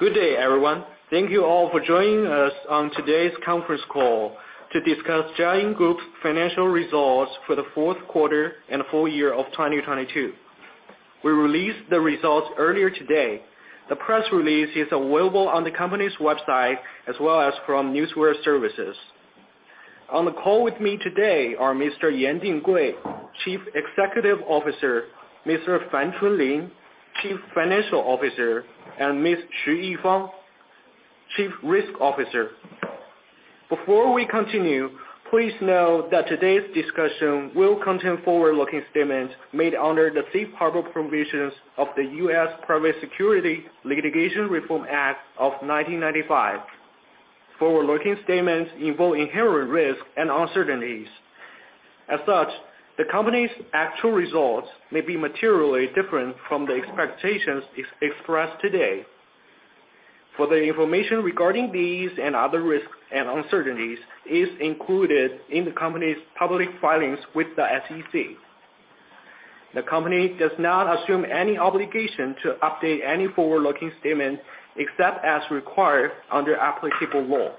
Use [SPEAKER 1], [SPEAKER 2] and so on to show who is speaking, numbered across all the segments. [SPEAKER 1] Good day, everyone. Thank you all for joining us on today's conference call to discuss Jiayin Group's financial results for the fourth quarter and full year of 2022. We released the results earlier today. The press release is available on the company's website as well as from Newswire Services. On the call with me today are Mr. Yan Dinggui, Chief Executive Officer, Mr. Fan Chunlin, Chief Financial Officer, and Ms. Xu Yifang, Chief Risk Officer. Before we continue, please know that today's discussion will contain forward-looking statements made under the Safe Harbor Provisions of the U.S. Private Securities Litigation Reform Act of 1995. Forward-looking statements involve inherent risks and uncertainties. As such, the company's actual results may be materially different from the expectations expressed today. Further information regarding these and other risks and uncertainties is included in the company's public filings with the SEC. The company does not assume any obligation to update any forward-looking statements except as required under applicable law.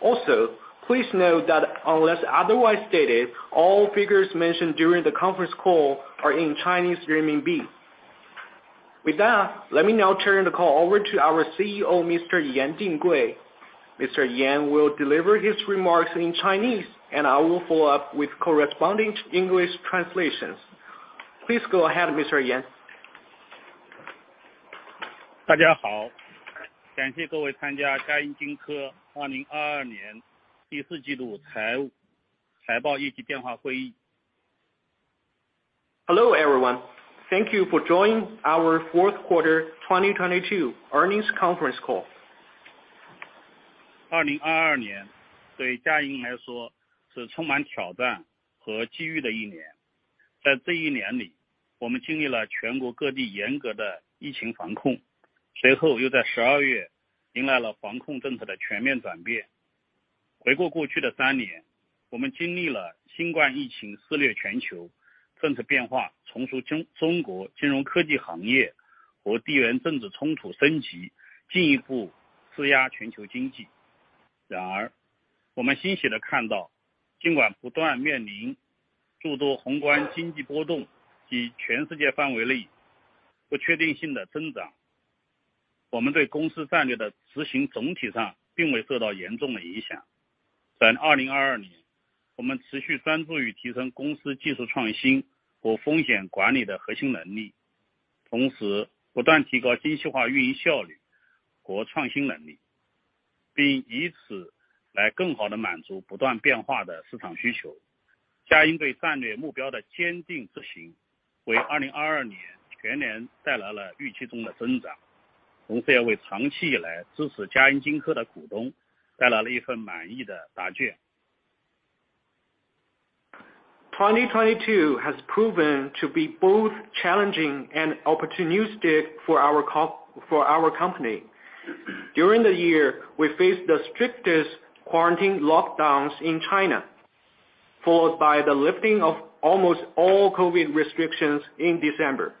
[SPEAKER 1] Also, please note that unless otherwise stated, all figures mentioned during the conference call are in Chinese renminbi. With that, let me now turn the call over to our CEO, Mr. Yan Dinggui. Mr. Yan will deliver his remarks in Chinese, and I will follow up with corresponding English translations. Please go ahead, Mr. Yan.
[SPEAKER 2] 大家 好， 感谢各位参加嘉银金科 2022年 第四季度财报业绩电话会 议.
[SPEAKER 1] Hello, everyone. Thank you for joining our fourth quarter 2022 earnings conference call.
[SPEAKER 2] 2022年对嘉银来说是充满挑战和机遇的一年。在这一年 里， 我们经历了全国各地严格的疫情防 控， 随后又在12月迎来了防控政策的全面转变。回顾过去的3 年， 我们经历了新冠疫情肆虐全 球， 政策变化重塑中国金融科技 行业， 和地缘政治冲突升 级， 进一步施压全球经济。然 而， 我们欣喜地看 到， 尽管不断面临诸多宏观经济波动及全世界范围内不确定性的增 长， 我们对公司战略的执行总体上并未受到严重的影响。在2022 年， 我们持续专注于提升公司技术创新和风险管理的核心能 力， 同时不断提高精细化运营效率和创新能 力， 并以此来更好地满足不断变化的市场需求。嘉银对战略目标的坚定执 行， 为2022年全年带来了预期中的增 长， 同时也为长期以来支持嘉银金科的股东带来了一份满意的答卷。
[SPEAKER 1] 2022 has proven to be both challenging and opportunistic for our company. During the year, we faced the strictest quarantine lockdowns in China, followed by the lifting of almost all COVID restrictions in December.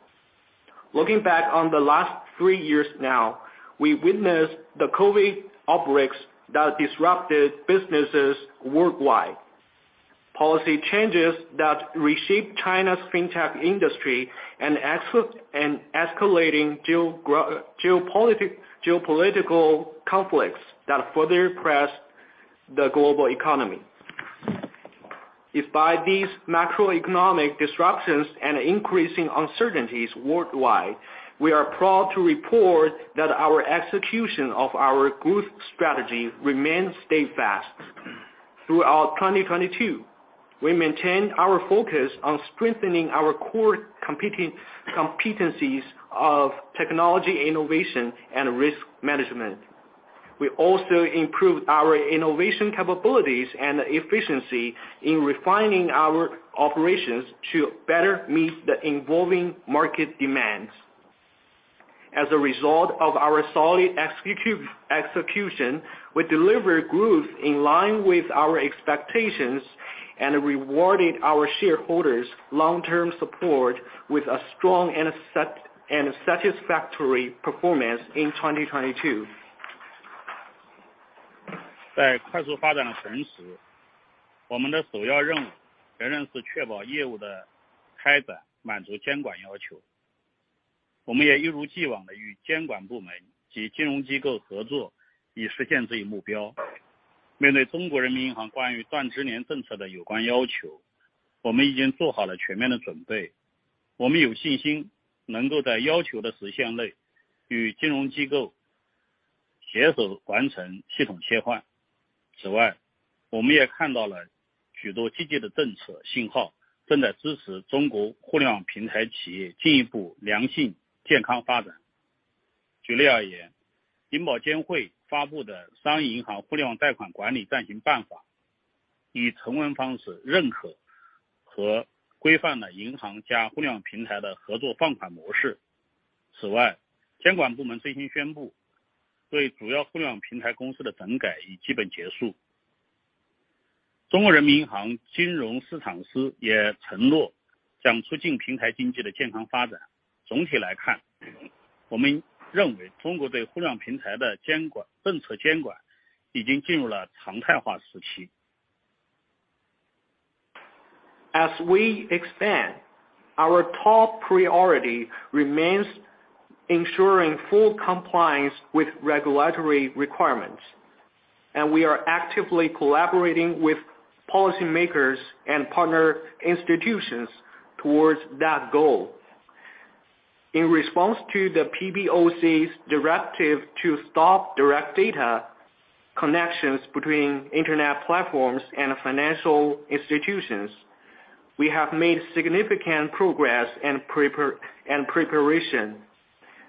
[SPEAKER 1] Looking back on the last three years now, we witnessed the COVID outbreaks that disrupted businesses worldwide. Policy changes that reshaped China's fintech industry and escalating geopolitical conflicts that further pressed the global economy. Despite these macroeconomic disruptions and increasing uncertainties worldwide, we are proud to report that our execution of our growth strategy remains steadfast. Throughout 2022, we maintained our focus on strengthening our core competencies of technology innovation and risk management. We also improved our innovation capabilities and efficiency in refining our operations to better meet the evolving market demands. As a result of our solid execution, we delivered growth in line with our expectations and rewarded our shareholders' long-term support with a strong and satisfactory performance in 2022.
[SPEAKER 2] 在快速发展的同 时， 我们的首要任务仍然是确保业务的开展满足监管要求。我们也一如既往地与监管部门及金融机构合 作， 以实现这一目标。面对中国人民银行关于断直连政策的有关要 求， 我们已经做好了全面的准备。我们有信心能够在要求的时限内与金融机构携手完成系统切换。此 外， 我们也看到了许多积极的政策信 号， 正在支持中国互联网平台企业进一步良性健康发展。举例而 言， 银保监会发布的商业银行互联网贷款管理暂行办 法， 以成文方式认可和规范了银行加互联网平台的合作放款模式。此 外， 监管部门最近宣 布， 对主要互联网平台公司的整改已基本结束。中国人民银行金融市场司也承诺将促进平台经济的健康发展。总体来 看， 我们认为中国对互联网平台的监管政策监管已经进入了常态化时期。
[SPEAKER 1] As we expand, our top priority remains ensuring full compliance with regulatory requirements, and we are actively collaborating with policymakers and partner institutions towards that goal. In response to the PBOC's directive to stop direct data connections between internet platforms and financial institutions, we have made significant progress and preparation.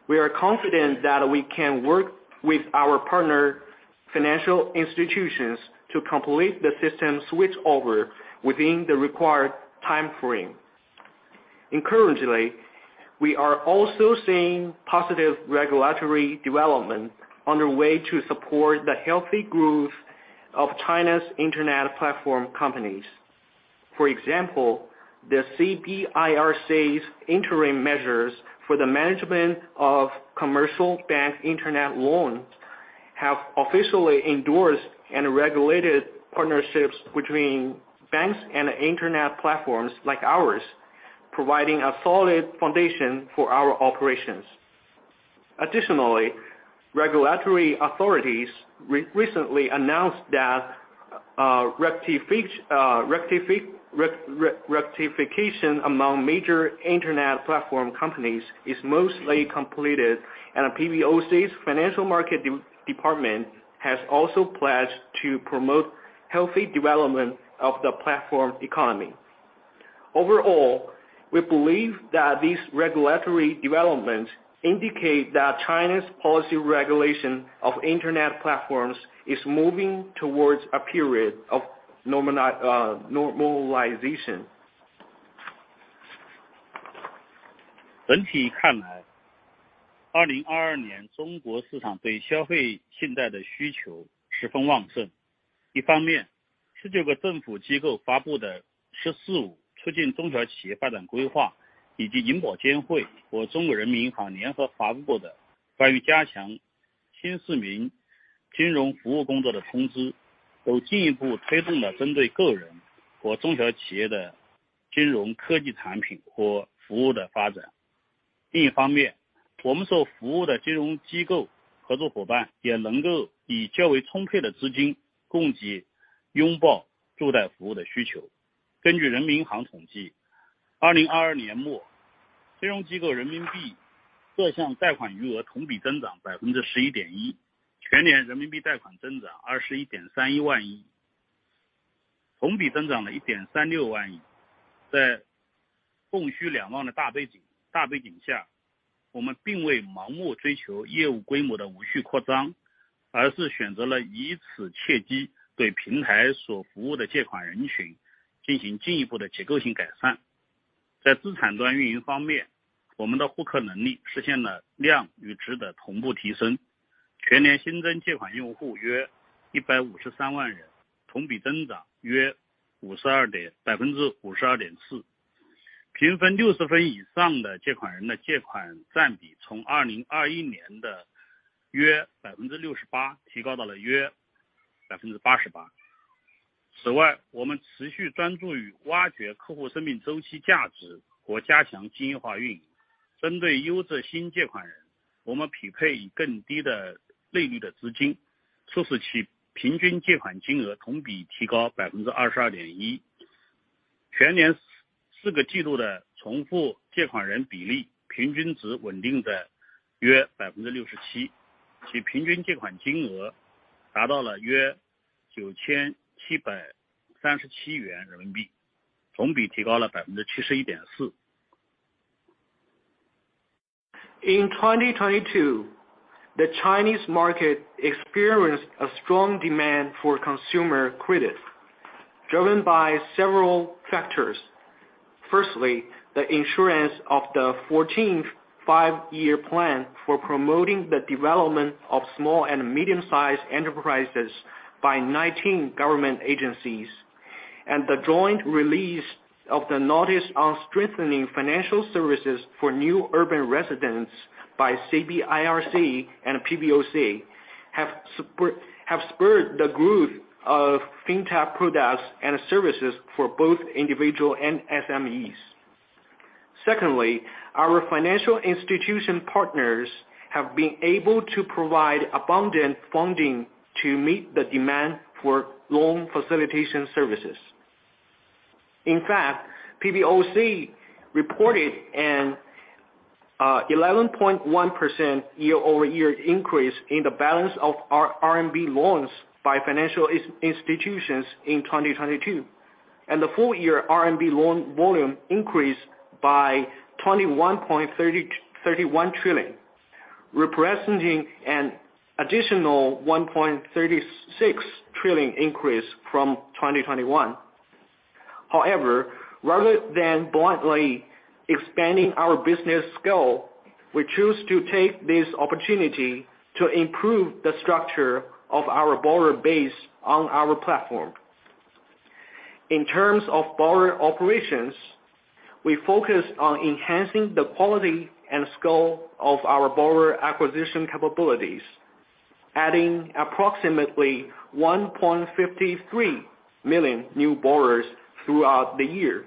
[SPEAKER 1] We are confident that we can work with our partner financial institutions to complete the system switch over within the required time frame. Currently, we are also seeing positive regulatory development on their way to support the healthy growth of China's Internet Platform companies. For example, the CBIRC's Interim Measures for the Management of Commercial Bank Internet Loans have officially endorsed and regulated partnerships between banks and internet platforms like ours, providing a solid foundation for our operations. Additionally, regulatory authorities recently announced that rectification among major internet platform companies is mostly completed. PBOC's Financial Market Department has also pledged to promote healthy development of the platform economy. Overall, we believe that these regulatory developments indicate that China's policy regulation of internet platforms is moving towards a period of normalization.
[SPEAKER 2] 整体看 来, 2022年中国市场对消费信贷的需求十分旺 盛. 一方 面, 19个政府机构发布的《“十四五”促进中小企业发展规划》以及银保监会和中国人民银行联合发布的《关于加强新市民金融服务工作的通知》, 都进一步推动了针对个人和中小企业的金融科技产品或服务的发 展. 另一方 面, 我们所服务的金融机构合作伙伴也能够以较为充沛的资金供给拥抱助贷服务的需 求. 根据人民银行统 计, 2022年 末, 金融机构人民币各项贷款余额同比增长 11.1%, 全年人民币贷款增长 CNY 21.31 万 亿, 同比增长了 CNY 1.36 万 亿. 在供需两旺的大背景 下, 我们并未盲目追求业务规模的无序扩 张, 而是选择了以此切机对平台所服务的借款人群进行进一步的结构性改 善. 在资产端运营方 面, 我们的获客能力实现了量与质的同步提 升. 全年新增借款用户约153万 人, 同比增长约 52.4%. 评分60分以上的借款人的借款占比从2021年的约 68% 提高到了约 88%. 此 外, 我们持续专注于挖掘客户生命周期价值和加强精细化运 营. 针对优质新借款 人, 我们匹配以更低的利率的资 金, 促使其平均借款金额同比提高 22.1%. 全年4个季度的重复借款人比例平均值稳定在约 67%, 其平均借款金额达到了约 CNY 9,737, 同比提高了 71.4%.
[SPEAKER 1] In 2022, the Chinese market experienced a strong demand for consumer credit, driven by several factors. Firstly, the insurance of the 14th Five-Year Plan for promoting the development of small and medium-sized enterprises by 19 government agencies and the joint release of the notice on Strengthening Financial Services for New Urban Residents by CBIRC and PBOC have spurred the growth of fintech products and services for both individual and SMEs. Secondly, our financial institution partners have been able to provide abundant funding to meet the demand for loan facilitation services. In fact, PBOC reported an 11.1% year-over-year increase in the balance of our RMB loans by financial institutions in 2022, and the full year RMB loans volume increased by 21.31 trillion, representing an additional 1.36 trillion increase from 2021. Rather than blindly expanding our business scope, we choose to take this opportunity to improve the structure of our borrower base on our platform. In terms of borrower operations, we focus on enhancing the quality and scope of our borrower acquisition capabilities, adding approximately 1.53 million new borrowers throughout the year,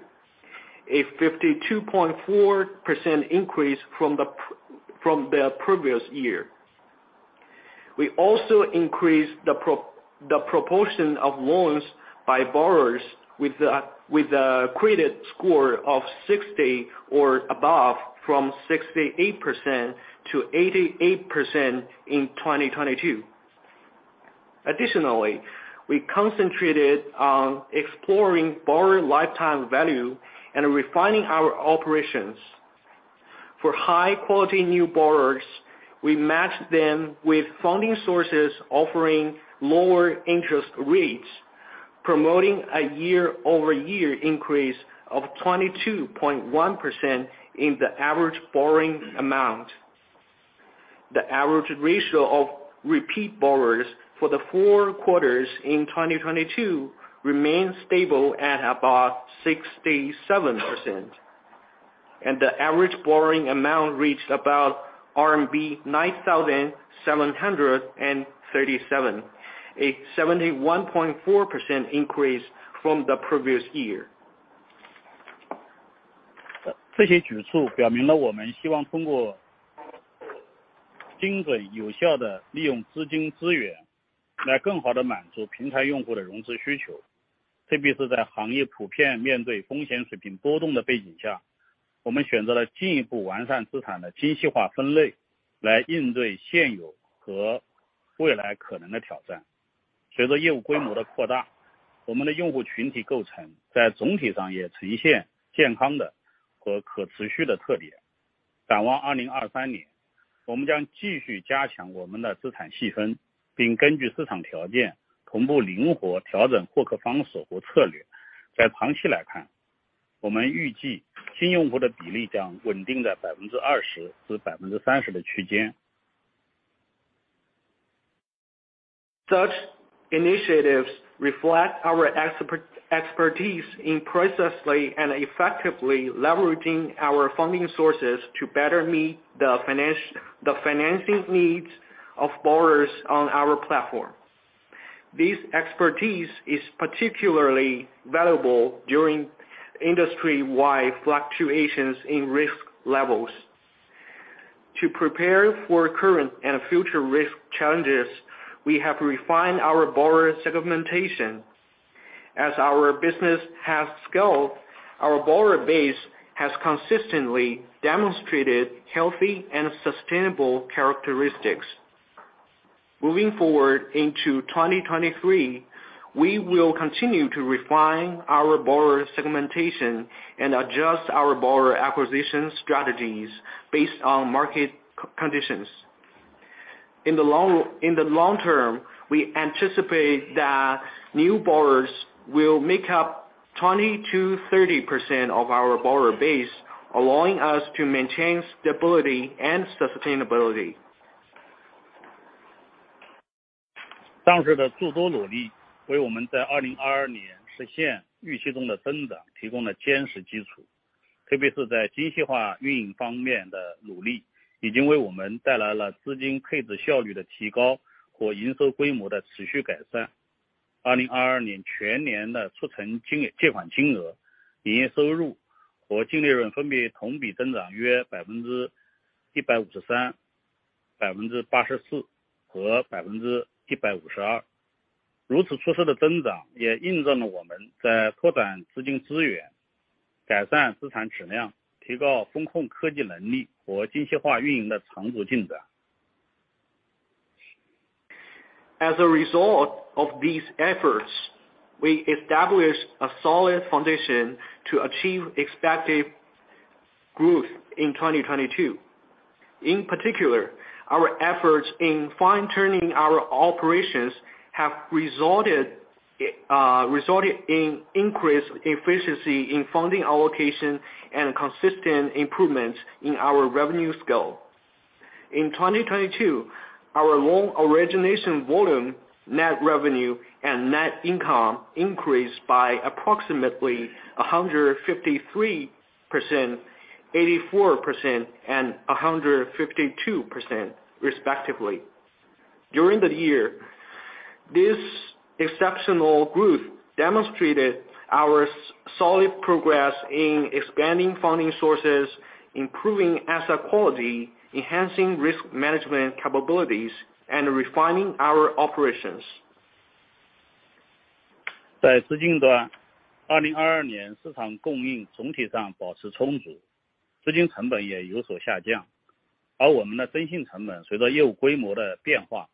[SPEAKER 1] a 52.4% increase from the previous year. We also increased the proportion of loans by borrowers with a credit score of 60 or above from 68%-88% in 2022. Additionally, we concentrated on exploring borrower lifetime value and refining our operations. For high-quality new borrowers, we matched them with funding sources offering lower interest rates, promoting a year-over-year increase of 22.1% in the average borrowing amount. The average ratio of repeat borrowers for the four quarters in 2022 remained stable at about 67%, and the average borrowing amount reached about RMB 9,737, a 71.4% increase from the previous year.
[SPEAKER 2] 这些举措表明了我们希望通过精准有效的利用资金资 源， 来更好地满足平台用户的融资需 求， 特别是在行业普遍面对风险水平波动的背景 下， 我们选择了进一步完善资产的精细化分 类， 来应对现有和未来可能的挑战。随着业务规模的扩 大， 我们的用户群体构成在总体上也呈现健康的和可持续的特点。展望2023 年， 我们将继续加强我们的资产细 分， 并根据市场条件同步灵活调整获客方式和策略。在长期来 看， 我们预计新用户的比例将稳定在 20%-30% 的区间。
[SPEAKER 1] Such initiatives reflect our expertise in precisely and effectively leveraging our funding sources to better meet the financing needs of borrowers on our platform. This expertise is particularly valuable during industry-wide fluctuations in risk levels. To prepare for current and future risk challenges, we have refined our borrower segmentation. As our business has scaled, our borrower base has consistently demonstrated healthy and sustainable characteristics. Moving forward into 2023, we will continue to refine our borrower segmentation and adjust our borrower acquisition strategies based on market conditions. In the long term, we anticipate that new borrowers will make up 20%-30% of our borrower base, allowing us to maintain stability and sustainability.
[SPEAKER 2] 当时的诸多努 力, 为我们在2022年实现预期中的增长提供了坚实基 础, 特别是在精细化运营方面的努 力, 已经为我们带来了资金配置效率的提高和营收规模的持续改 善. 2022年全年的借款金 额, 营业收入和净利润分别同比增长约 153%, 84% 和 152%. 如此出色的增长也印证了我们在拓展资金资 源, 改善资产质 量, 提高风控科技能力和精细化运营的成熟进 展.
[SPEAKER 1] As a result of these efforts, we established a solid foundation to achieve expected growth in 2022. In particular, our efforts in fine-tuning our operations have resulted in increased efficiency in funding allocation and consistent improvements in our revenue scope. In 2022, our loan origination volume, net revenue, and net income increased by approximately 153%, 84%, and 152% respectively. During the year, this exceptional growth demonstrated our solid progress in expanding funding sources, improving asset quality, enhancing risk management capabilities, and refining our operations.
[SPEAKER 2] 在资金 端， 2022年市场供应总体上保持充 足， 资金成本也有所下 降， 而我们的增信成本随着业务规模的变化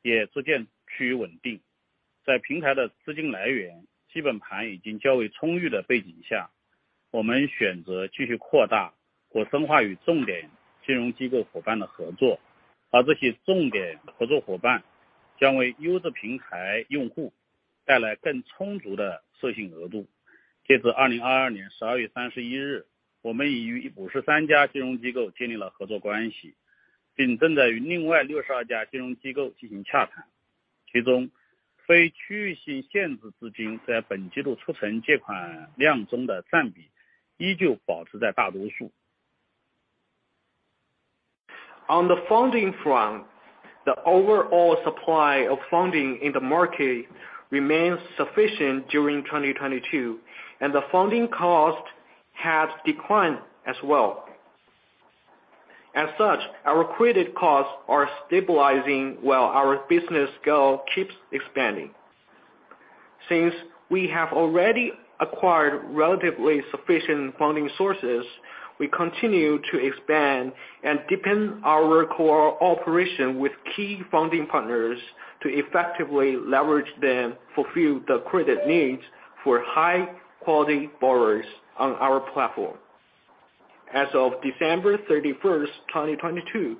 [SPEAKER 2] 也逐渐趋于稳定。在平台的资金来源基本盘已经较为充裕的背景下我们选择继续扩大或深化与重点金融机构伙伴的合 作， 而这些重点合作伙伴将为优资平台用户带来更充足的授信额度。截至2022年12月31 日， 我们已与53家金融机构建立了合作关 系， 并正在与另外62家金融机构进行洽谈。其 中， 非区域性限制资金在本季度促成借款量中的占比依旧保持在大多数。
[SPEAKER 1] On the funding front, the overall supply of funding in the market remains sufficient during 2022, and the funding cost has declined as well. As such, our credit costs are stabilizing while our business scale keeps expanding. Since we have already acquired relatively sufficient funding sources, we continue to expand and deepen our cooperation with key funding partners to effectively leverage them fulfill the credit needs for high quality borrowers on our platform. As of December 31st, 2022,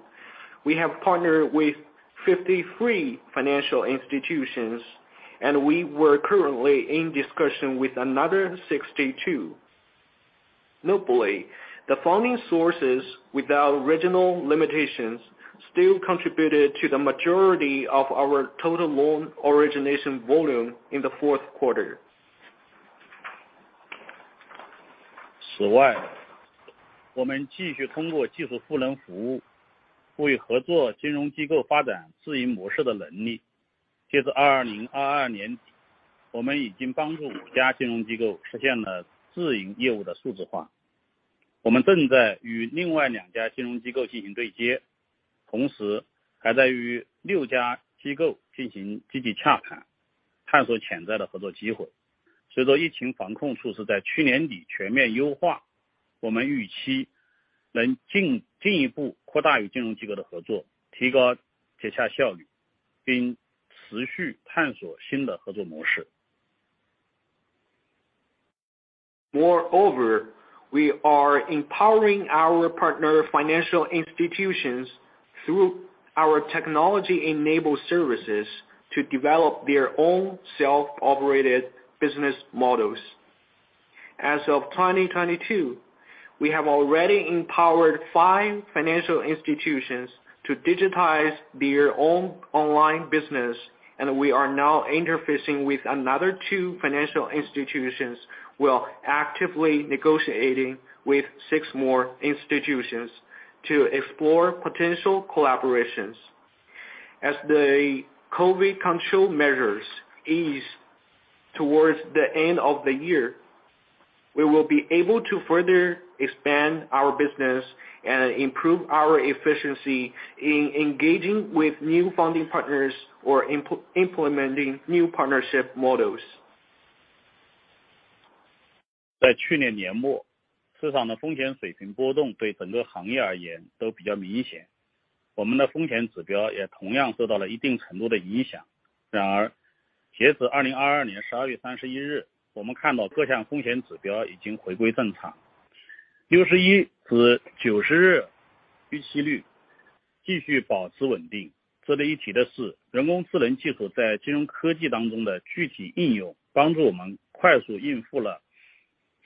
[SPEAKER 1] we have partnered with 53 financial institutions and we were currently in discussion with another 62. Notably, the funding sources without regional limitations still contributed to the majority of our total loan origination volume in the fourth quarter.
[SPEAKER 2] 此 外, 我们继续通过技术赋能服 务, 为合作金融机构发展自营模式的能 力. 截至2022年 底, 我们已经帮助5家金融机构实现了自营业务的数字 化. 我们正在与另外2家金融机构进行对 接, 同时还在与6家机构进行积极洽 谈, 探索潜在的合作机 会. 随着疫情防控措施在去年底全面优 化, 我们预期进一步扩大与金融机构的合 作, 提高结洽效 率, 并持续探索新的合作模 式.
[SPEAKER 1] Moreover, we are empowering our partner financial institutions through our technology-enabled services to develop their own self-operated business models. As of 2022, we have already empowered five financial institutions to digitize their own online business, and we are now interfacing with another two financial institutions while actively negotiating with six more institutions to explore potential collaborations. As the COVID control measures ease towards the end of the year, we will be able to further expand our business and improve our efficiency in engaging with new funding partners or implementing new partnership models.
[SPEAKER 2] 在去年年 末, 市场的风险水平波动对整个行业而言都比较明 显, 我们的风险指标也同样受到了一定程度的影 响. 截至2022年12月31 日, 我们看到各项风险指标已经回归正 常, 61至90日逾期率继续保持稳 定. 值得一提的 是, 人工智能技术在金融科技当中的具体应 用, 帮助我们快速应付了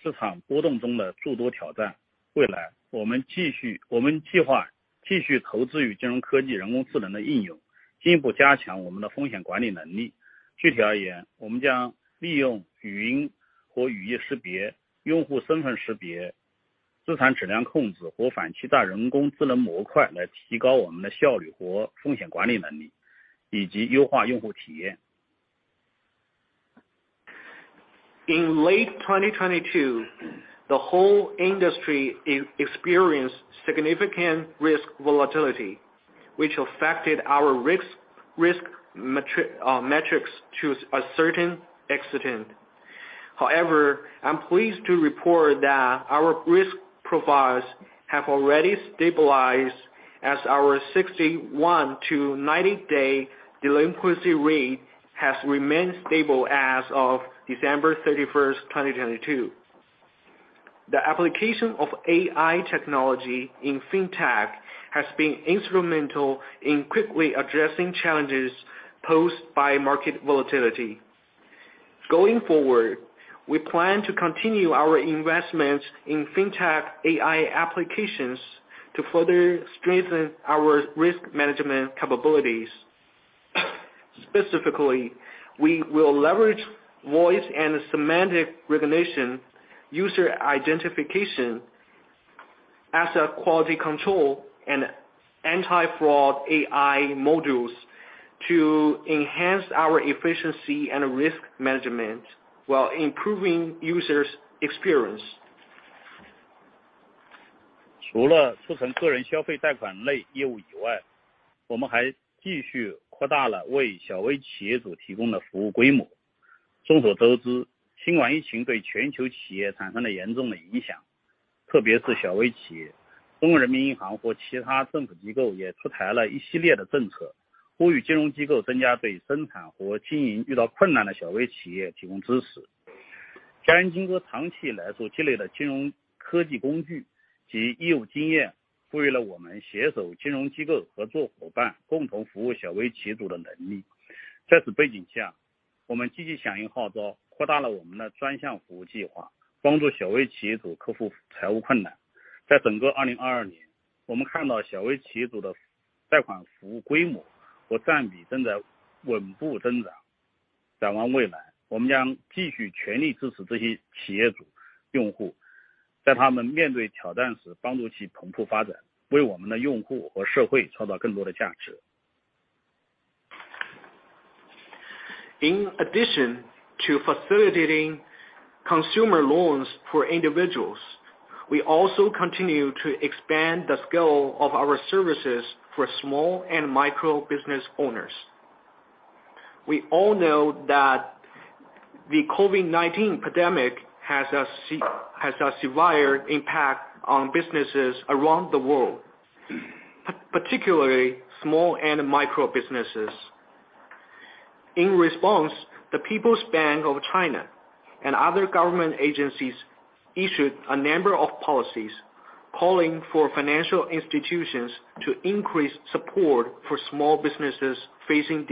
[SPEAKER 2] 市场波动中的诸多挑 战. 未 来, 我们计划继续投资于金融科技人工智能的应 用, 进一步加强我们的风险管理能 力. 具体而 言, 我们将利用语音或语义识 别, 用户身份识 别, 资产质量控制和反欺诈人工智能模块来提高我们的效率和风险管理能 力, 以及优化用户体 验.
[SPEAKER 1] In late 2022, the whole industry experienced significant risk volatility, which affected our risk metrics to a certain extent. However, I'm pleased to report that our risk profiles have already stabilized as our 61-90 day delinquency rate has remained stable as of December 31st, 2022. The application of AI technology in fintech has been instrumental in quickly addressing challenges posed by market volatility. Going forward, we plan to continue our investments in fintech AI applications to further strengthen our risk management capabilities. Specifically, we will leverage voice and semantic recognition, user identification, asset quality control, and anti-fraud AI modules to enhance our efficiency and risk management while improving users experience.
[SPEAKER 2] 除了促成个人消费贷款类业务以 外， 我们还继续扩大了为小微企业主提供的服务规模。众所周 知， 新冠疫情对全球企业产生了严重的影响特别是小微企 业， 中国人民银行或其他政府机构也出台了一系列的政策，呼吁金融机构增加对生产和经营遇到困难的小微企业提供支持。嘉银经过长期来所积累的金融科技工具及业务经 验， 赋予了我们携手金融机构合作伙伴共同服务小微企业组的能力。在此背景 下， 我们积极响应号 召， 扩大了我们的专项服务计 划， 帮助小微企业主克服财务困难。在整个2022 年， 我们看到小微企业主的贷款服务规模和占比正在稳步增长。展望未 来， 我们将继续全力支持这些企业组用 户， 在他们面对挑战时帮助其蓬勃发 展， 为我们的用户和社会创造更多的价值。
[SPEAKER 1] In addition to facilitating consumer loans for individuals, we also continue to expand the scale of our services for small and micro business owners. We all know that the COVID-19 pandemic has a severe impact on businesses around the world, particularly small and micro businesses. In response, the People's Bank of China and other government agencies issued a number of policies calling for financial institutions to increase support for small businesses facing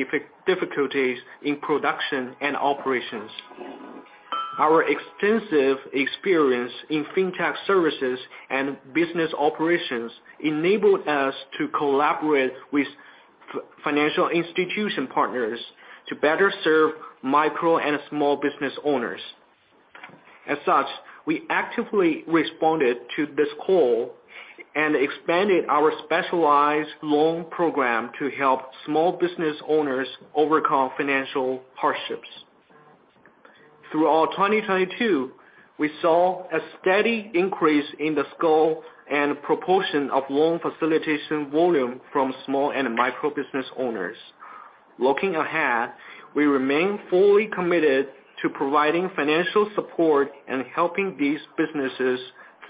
[SPEAKER 1] difficulties in production and operations. Our extensive experience in fintech services and business operations enabled us to collaborate with financial institution partners to better serve micro and small business owners. As such, we actively responded to this call and expanded our specialized loan program to help small business owners overcome financial hardships. Throughout 2022, we saw a steady increase in the scale and proportion of loan facilitation volume from small and micro business owners. Looking ahead, we remain fully committed to providing financial support and helping these businesses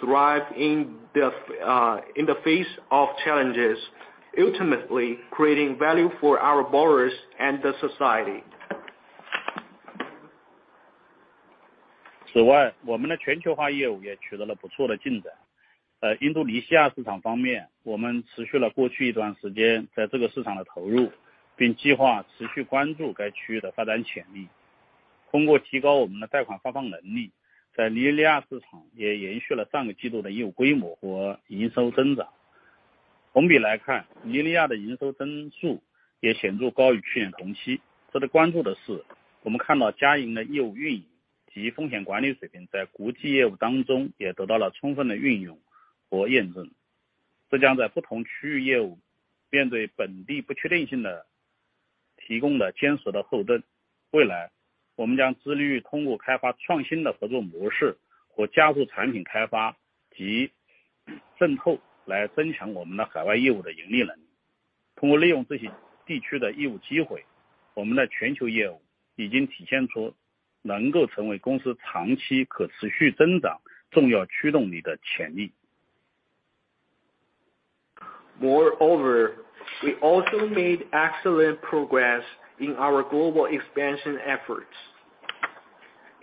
[SPEAKER 1] thrive in the face of challenges, ultimately creating value for our borrowers and the society.
[SPEAKER 2] 此 外， 我们的全球化业务也取得了不错的进展。在印度尼西亚市场方 面， 我们持续了过去一段时间在这个市场的投 入， 并计划持续关注该区域的发展潜力。通过提高我们的贷款发放能 力， 在尼日利亚市场也延续了上个季度的业务规模和营收增长。同比来 看， 尼日利亚的营收增速也显著高于去年同期。值得关注的 是， 我们看到嘉银的业务运营及风险管理水平在国际业务当中也得到了充分的运用和验 证， 这将在不同区域业务面对本地不确定性的提供了坚实的后盾。未来，我们将致力于通过开发创新的合作模式或加速产品开发及渗 透， 来增强我们的海外业务的盈利能力。通过利用这些地区的业务机 会， 我们的全球业务已经体现出能够成为公司长期可持续增长重要驱动力的潜力。
[SPEAKER 1] Moreover, we also made excellent progress in our global expansion efforts.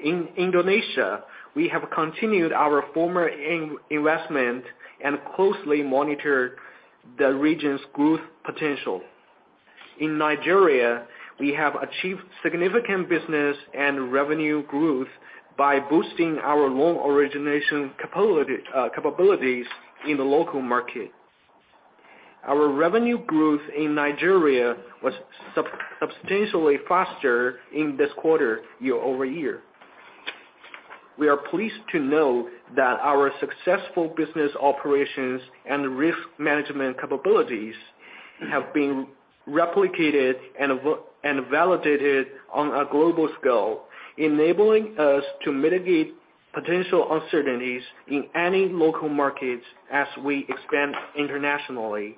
[SPEAKER 1] In Indonesia, we have continued our former in-investment and closely monitor the region's growth potential. In Nigeria, we have achieved significant business and revenue growth by boosting our loan origination capabilities in the local market. Our revenue growth in Nigeria was substantially faster in this quarter year-over-year. We are pleased to know that our successful business operations and risk management capabilities have been replicated and validated on a global scale, enabling us to mitigate potential uncertainties in any local markets as we expand internationally.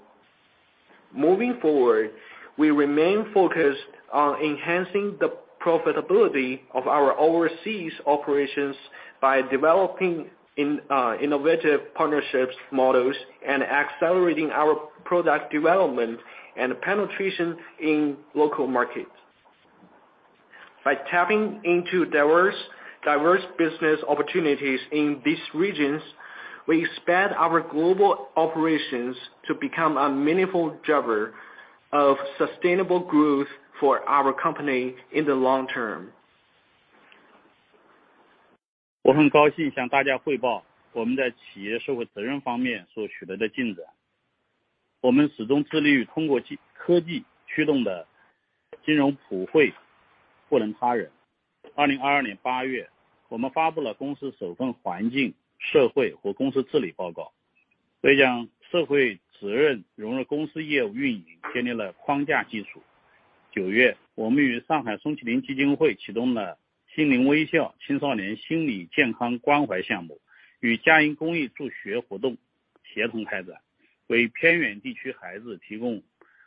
[SPEAKER 1] Moving forward, we remain focused on enhancing the profitability of our overseas operations by developing innovative partnerships, models, and accelerating our product development and penetration in local markets. By tapping into diverse business opportunities in these regions, we expand our global operations to become a meaningful driver of sustainable growth for our company in the long term.
[SPEAKER 2] 我很高兴向大家汇报我们在企业社会责任方面所取得的进展。我们始终致力于通过技-科技驱动的金融普 惠， 惠及他人。2022 年8 月， 我们发布了公司首份环境、社会和公司治理报 告， 为将社会责任融入公司业务运营建立了框架基础。九 月， 我们与上海松麒麟基金会启动了心灵微笑青少年心理健康关怀项 目， 与嘉银公益助学活动协同开 展， 为偏远地区孩子提供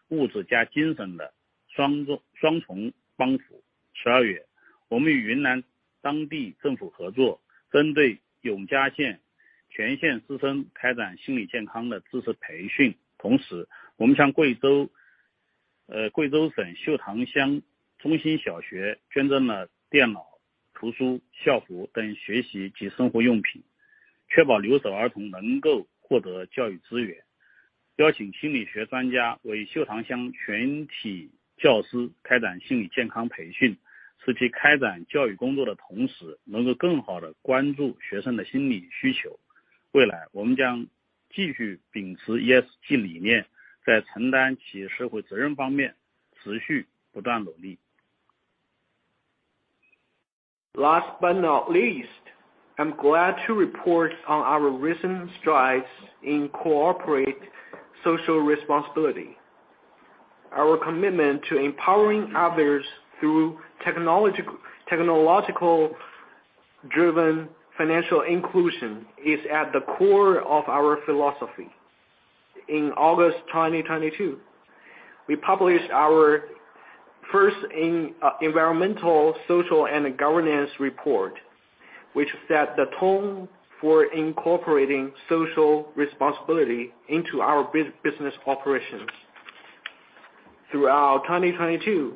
[SPEAKER 2] 物质加精神的双 重， 双重帮扶。十二 月， 我们与云南当地政府合 作， 针对永嘉县全县师生开展心理健康的知识培训。同时我们向贵 州， 呃， 贵州省秀塘乡中心小学捐赠了电脑、图书、校服等学习及生活用 品， 确保留守儿童能够获得教育资源。邀请心理学专家为秀塘乡全体教师开展心理健康培训，使其开展教育工作的同 时， 能够更好地关注学生的心理需求。未来我们将继续秉持 ESG 理 念， 在承担起社会责任方面持续不断努力。
[SPEAKER 1] Last but not least, I'm glad to report on our recent strides in corporate social responsibility. Our commitment to empowering others through technological driven financial inclusion is at the core of our philosophy. In August 2022, we published our first Environmental, Social and Governance Report, which set the tone for incorporating social responsibility into our business operations. Throughout 2022,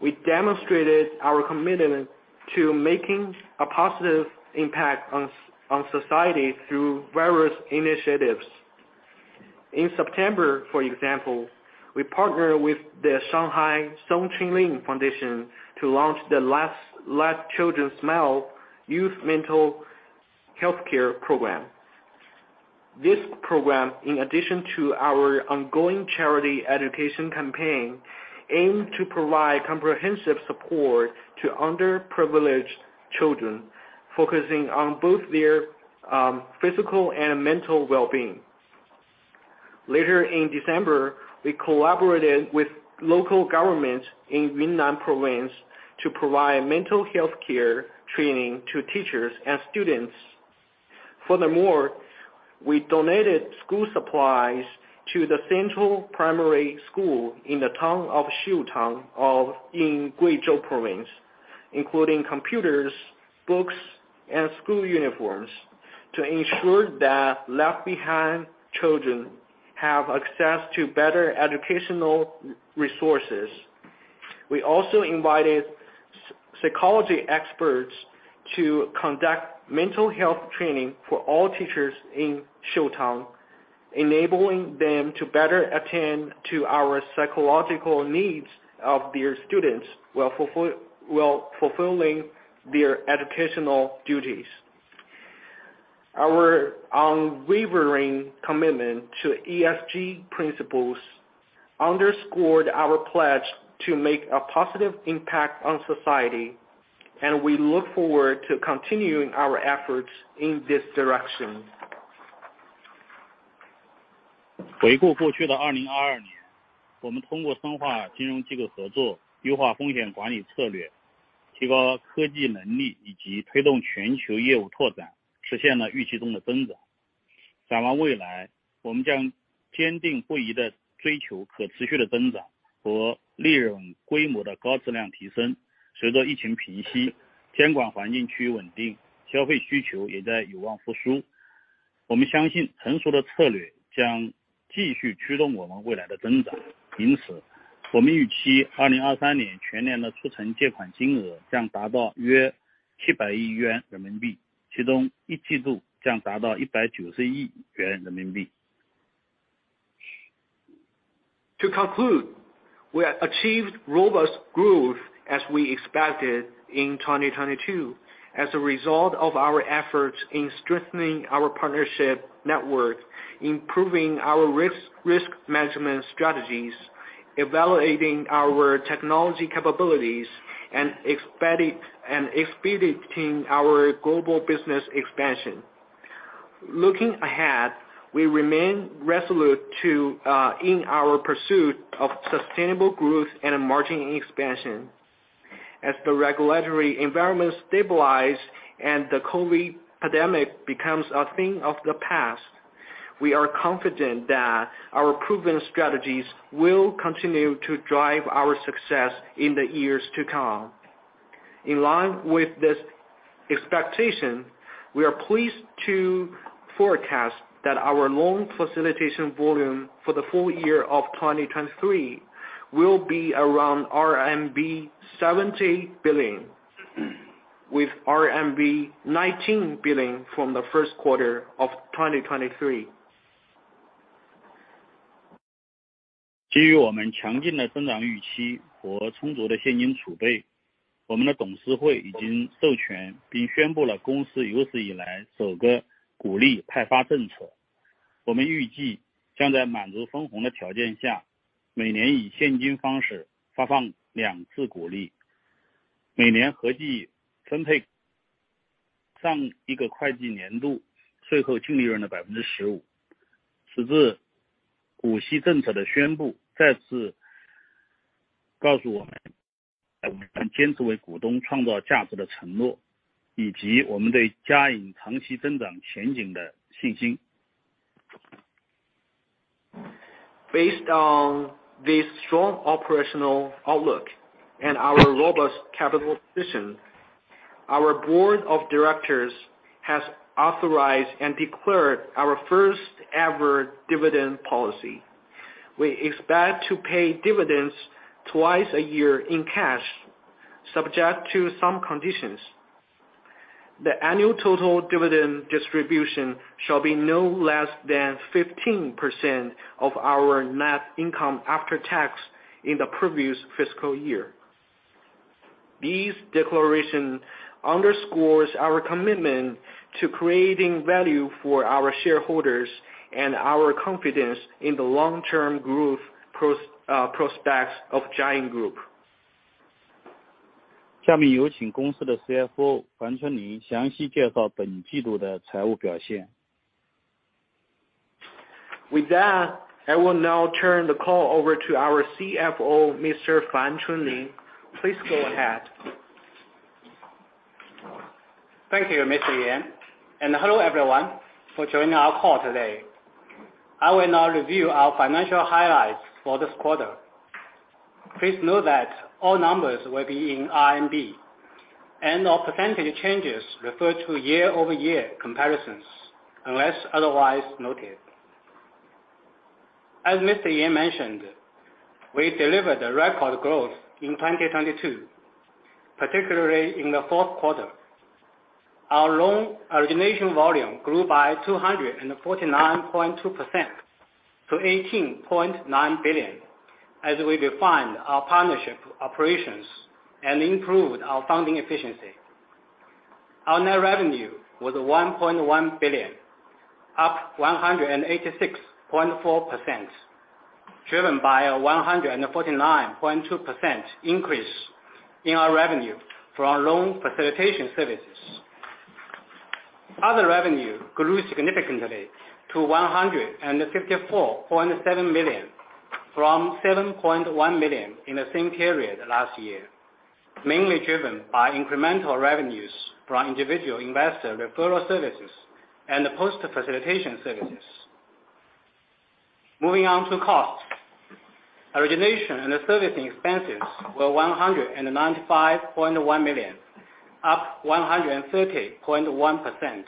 [SPEAKER 1] we demonstrated our commitment to making a positive impact on society through various initiatives. In September, for example, we partnered with the Shanghai Soong Ching Ling Foundation to launch the Let Children Smile Youth Mental Healthcare Program. This program, in addition to our ongoing charity education campaign, aimed to provide comprehensive support to underprivileged children, focusing on both their physical and mental well-being. Later, in December, we collaborated with local governments in Yunnan Province to provide mental health care training to teachers and students. Furthermore, we donated school supplies to the Central Primary School in the town of Xiutang in Guizhou Province, including computers, books, and school uniforms, to ensure that left behind children have access to better educational resources. We also invited psychology experts to conduct mental health training for all teachers in Xiutang, enabling them to better attend to our psychological needs of their students while fulfilling their educational duties. Our unwavering commitment to ESG principles underscored our pledge to make a positive impact on society, and we look forward to continuing our efforts in this direction.
[SPEAKER 2] 回顾过去的2022 年， 我们通过深化金融机构合 作， 优化风险管理策 略， 提高科技能力以及推动全球业务拓 展， 实现了预期中的增长。展望未 来， 我们将坚定不移地追求可持续的增长和利润规模的高质量提升。随着疫情平 息， 监管环境趋于稳 定， 消费需求也在有望复苏。我们相信成熟的策略将继续驱动我们未来的增长。我们预期2023年全年的促成借款金额将达到约 CNY 70 billion， 其中 Q1 将达到 CNY 19 billion。
[SPEAKER 1] To conclude, we achieved robust growth as we expected in 2022 as a result of our efforts in strengthening our partnership network, improving our risk management strategies, evaluating our technology capabilities, and expediting our global business expansion. Looking ahead, we remain resolute to in our pursuit of sustainable growth and margin expansion. As the regulatory environment stabilize and the COVID pandemic becomes a thing of the past, we are confident that our proven strategies will continue to drive our success in the years to come. In line with this expectation, we are pleased to forecast that our loan facilitation volume for the full year of 2023 will be around RMB 70 billion with RMB 19 billion from the first quarter of 2023.
[SPEAKER 2] 基于我们强劲的增长预期和充足的现金储 备， 我们的董事会已经授权并宣布了公司有史以来首个股利派发政 策. 我们预计将在满足分红的条件 下， 每年以现金方式发放2次股 利， 每年合计分配上一个会计年度税后净利润的 15%. 此次股息政策的宣布再次告诉我 们， 我们坚持为股东创造价值的承 诺， 以及我们对嘉银长期增长前景的信 心.
[SPEAKER 1] Based on this strong operational outlook and our robust capital position, our Board of Directors has authorized and declared our first-ever dividend policy. We expect to pay dividends twice a year in cash, subject to some conditions. The annual total dividend distribution shall be no less than 15% of our net income after tax in the previous fiscal year. This declaration underscores our commitment to creating value for our shareholders and our confidence in the long-term growth prospects of Jiayin Group. I will now turn the call over to our CFO, Mr. Fan Chunlin. Please go ahead.
[SPEAKER 3] Thank you, Mr. Yan, and hello everyone for joining our call today. I will now review our financial highlights for this quarter. Please note that all numbers will be in RMB, and all percentage changes refer to year-over-year comparisons unless otherwise noted. As Mr. Yan mentioned, we delivered a record growth in 2022, particularly in the fourth quarter. Our loan origination volume grew by 249.2% to 18.9 billion, as we refined our partnership operations and improved our funding efficiency. Our net revenue was 1.1 billion, up 186.4%, driven by a 149.2% increase in our revenue from loan facilitation services. Other revenue grew significantly to 154.7 million, from 7.1 million in the same period last year, mainly driven by incremental revenues from individual investor referral services and the post facilitation services. Moving on to cost. Origination and the servicing expenses were 195.1 million, up 130.1%,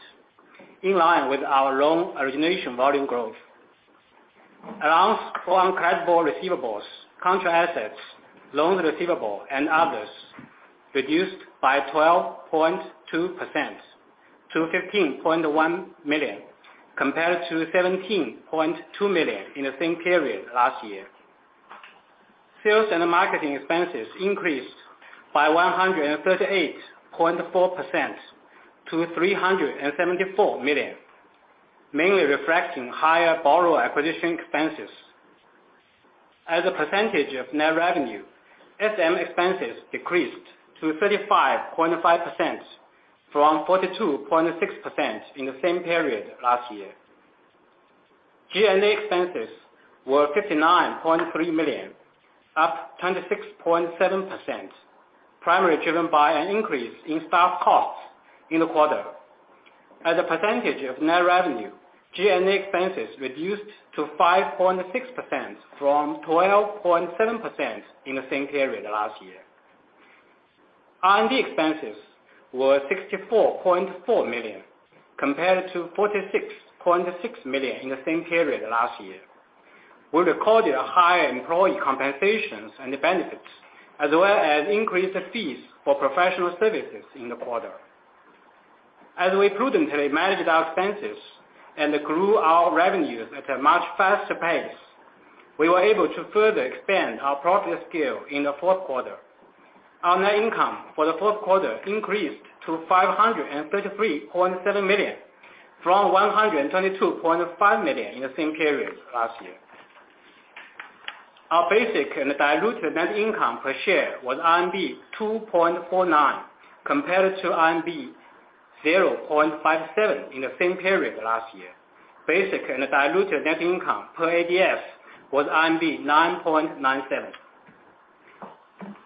[SPEAKER 3] in line with our loan origination volume growth. Allowance for uncollectible receivables, contract-assets, loans receivable, and others reduced by 12.2% to 15.1 million, compared to 17.2 million in the same period last year. Sales and marketing expenses increased by 138.4% to 374 million, mainly reflecting higher borrower acquisition expenses. As a percentage of net revenue, S&M expenses decreased to 35.5% from 42.6% in the same period last year. G&A expenses were 59.3 million, up 26.7%, primarily driven by an increase in staff costs in the quarter. As a percentage of net revenue, G&A expenses reduced to 5.6% from 12.7% in the same period last year. R&D expenses were 64.4 million, compared to 46.6 million in the same period last year. We recorded a higher employee compensations and benefits, as well as increased fees for professional services in the quarter. As we prudently managed our expenses and grew our revenues at a much faster pace, we were able to further expand our profit scale in the fourth quarter. Our net income for the fourth quarter increased to 533.7 million, from 122.5 million in the same period last year. Our basic and diluted net income per share was RMB 2.49, compared to RMB 0.57 in the same period last year. Basic and diluted net income per ADS was 9.97.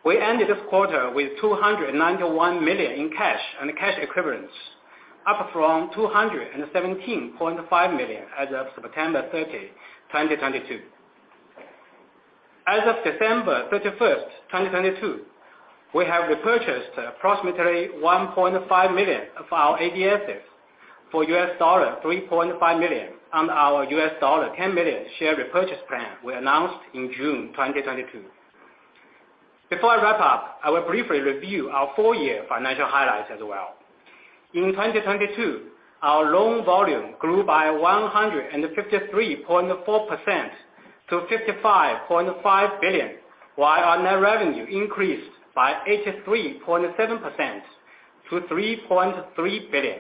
[SPEAKER 3] We ended this quarter with 291 million in cash and cash equivalents, up from 217.5 million as of September 30, 2022. As of December 31st, 2022, we have repurchased approximately 1.5 million of our ADSs for $3.5 million on our $10 million share repurchase plan we announced in June 2022. Before I wrap up, I will briefly review our full year financial highlights as well. In 2022, our loan volume grew by 153.4% to 55.5 billion, while our net revenue increased by 83.7% to 3.3 billion.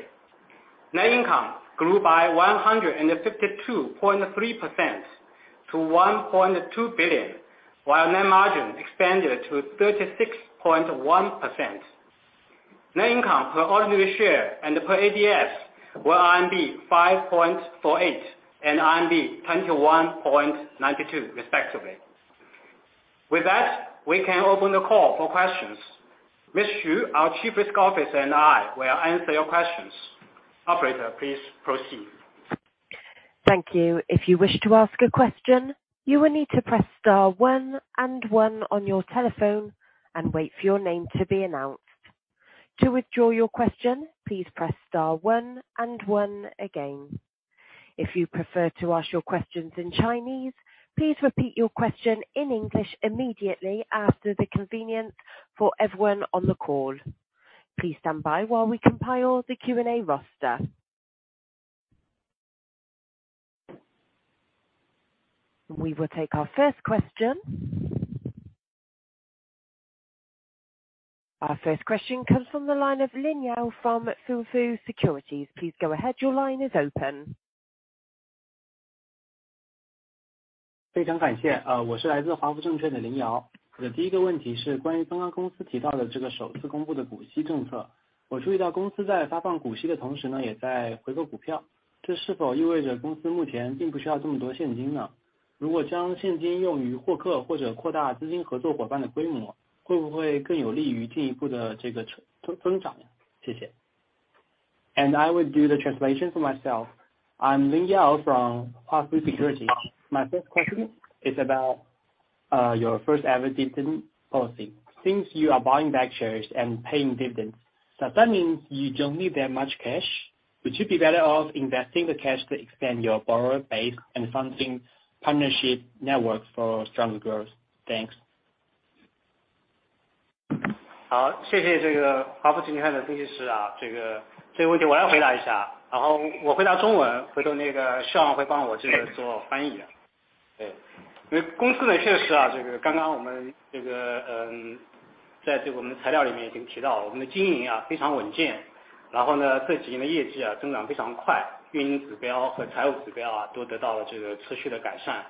[SPEAKER 3] Net income grew by 152.3% to 1.2 billion, while net margin expanded to 36.1%. Net income per ordinary share and per ADS were RMB 5.48 and RMB 21.92 respectively. With that, we can open the call for questions. Ms. Xu, our Chief Risk Officer and I will answer your questions. Operator, please proceed.
[SPEAKER 4] Thank you. If you wish to ask a question, you will need to press star one and one on your telephone and wait for your name to be announced. To withdraw your question, please press star one and one again. If you prefer to ask your questions in Chinese, please repeat your question in English immediately after the convenience for everyone on the call. Please stand by while we compile the Q&A roster. We will take our first question. Our first question comes from the line of Lin Yao from Huafu Securities. Please go ahead. Your line is open.
[SPEAKER 5] 非常感 谢， 呃， 我是来自华福证券的林瑶。我的第一个问题是关于刚刚公司提到的这个首次公布的股息政 策， 我注意到公司在发放股息的同时 呢， 也在回购股 票， 这是否意味着公司目前并不需要这么多现金 呢？ 如果将现金用于获客或者扩大资金合作伙伴的规 模， 会不会更有利于进一步的这个成-成-增长 呢？ 谢谢。I will do the translation for myself. I'm Lin Yao from Huafu Securities. My first question is about your first-ever dividend policy. Since you are buying back shares and paying dividends, does that mean you don't need that much cash? Would you be better off investing the cash to extend your borrower base and funding partnership network for stronger growth? Thanks.
[SPEAKER 3] 好， 谢谢这个华福证券的分析师啊。这 个， 这个问题我来回答一 下， 然后我回答中 文， 回头那个 Sean 会帮我这个做翻译的。对， 因为公司呢确实 啊， 这个刚刚我们这 个， 嗯， 在这个我们的材料里面已经提到 了， 我们的经营啊非常稳 健， 然后 呢， 这几年的业绩啊增长非常 快， 运营指标和财务指标啊都得到了这个持续的改 善，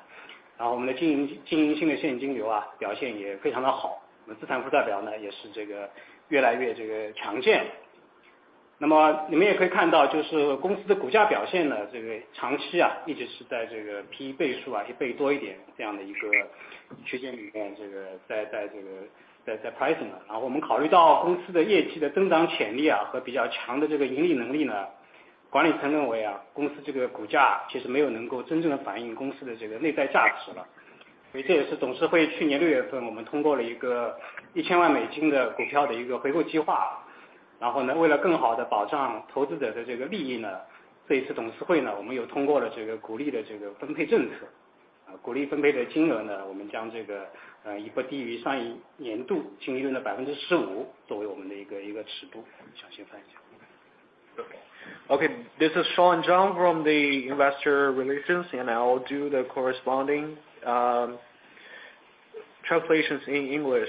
[SPEAKER 3] 然后我们的经 营， 经营性的现金流 啊， 表现也非常的 好， 我们的资产负债表 呢， 也是这个越来越这个强健。那么你们也可以看 到， 就是公司的股价表现 呢， 这个长期 啊， 一直是在这个 PE 倍数啊一倍多一点这样的一个区间里 面， 这个 在， 在， 这 个， 在， 在 price 呢。然后我们考虑到公司的业绩的增长潜力啊和比较强的这个盈利能力 呢， 管理层认为 啊， 公司这个股价其实没有能够真正地反映公司的这个内在价值了。所以这也是董事会去年六月 份， 我们通过了一个一千万美金的股票的一个回购计划。然后 呢， 为了更好地保障投资者的这个利益 呢， 这一次董事会 呢， 我们又通过了这个股利的这个分配政 策， 股利分配的金额 呢， 我们将这 个， 呃， 不低于上一年度净利润的百分之十五作为我们的一 个， 一个尺度。首先感谢。
[SPEAKER 1] Okay. This is Shawn Zhang from the investor relations and I will do the corresponding translations in English.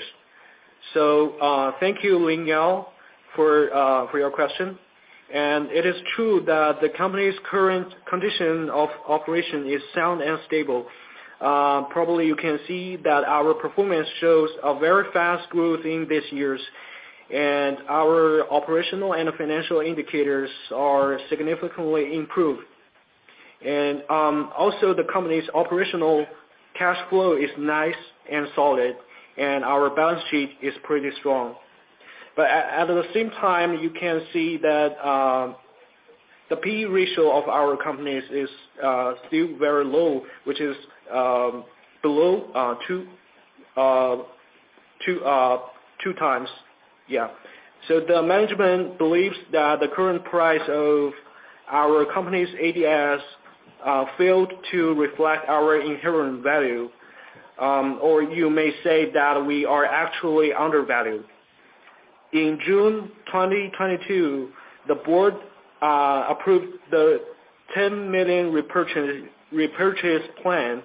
[SPEAKER 1] Thank you Lin Yao for your question. It is true that the company's current condition of operation is sound and stable. Probably you can see that our performance shows a very fast growth in these years, and our operational and financial indicators are significantly improved. Also the company's operational cash flow is nice and solid and our balance sheet is pretty strong. At the same time, you can see that the P/E ratio of our company is still very low, which is below two times. Yeah. The management believes that the current price of our company's ADS failed to reflect our inherent value. Or you may say that we are actually undervalued. In June 2022, the board approved the $10 million repurchase plan.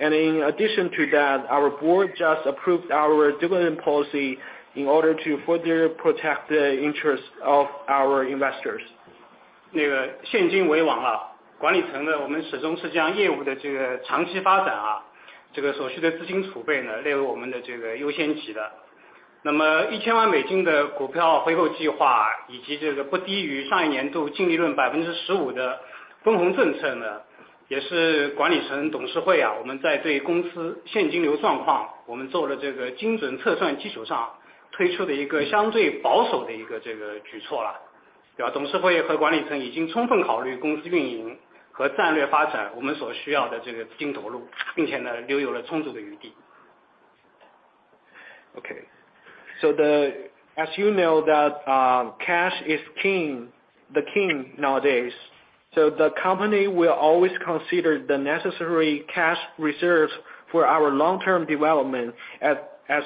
[SPEAKER 1] In addition to that, our board just approved our dividend policy in order to further protect the interest of our investors.
[SPEAKER 5] 那个现金为王 啊, 管理层 呢, 我们始终是将业务的这个长期发展 啊, 这个所需的资金储备 呢, 列为我们的这个优先级 的. $10 million 的股票回购计 划, 以及这个不低于上一年度净利润 15% 的分红政策 呢, 也是管理层董事会 啊, 我们在对公司现金流状 况, 我们做了这个精准测算基础上推出的一个相对保守的一个这个举措 啦. 董事会和管理层已经充分考虑公司运营和战略发展我们所需要的这个资金投 入, 并且 呢, 留有了充足的余 地. Okay. As you know that, cash is king, the king nowadays. The company will always consider the necessary cash reserves for our long-term development as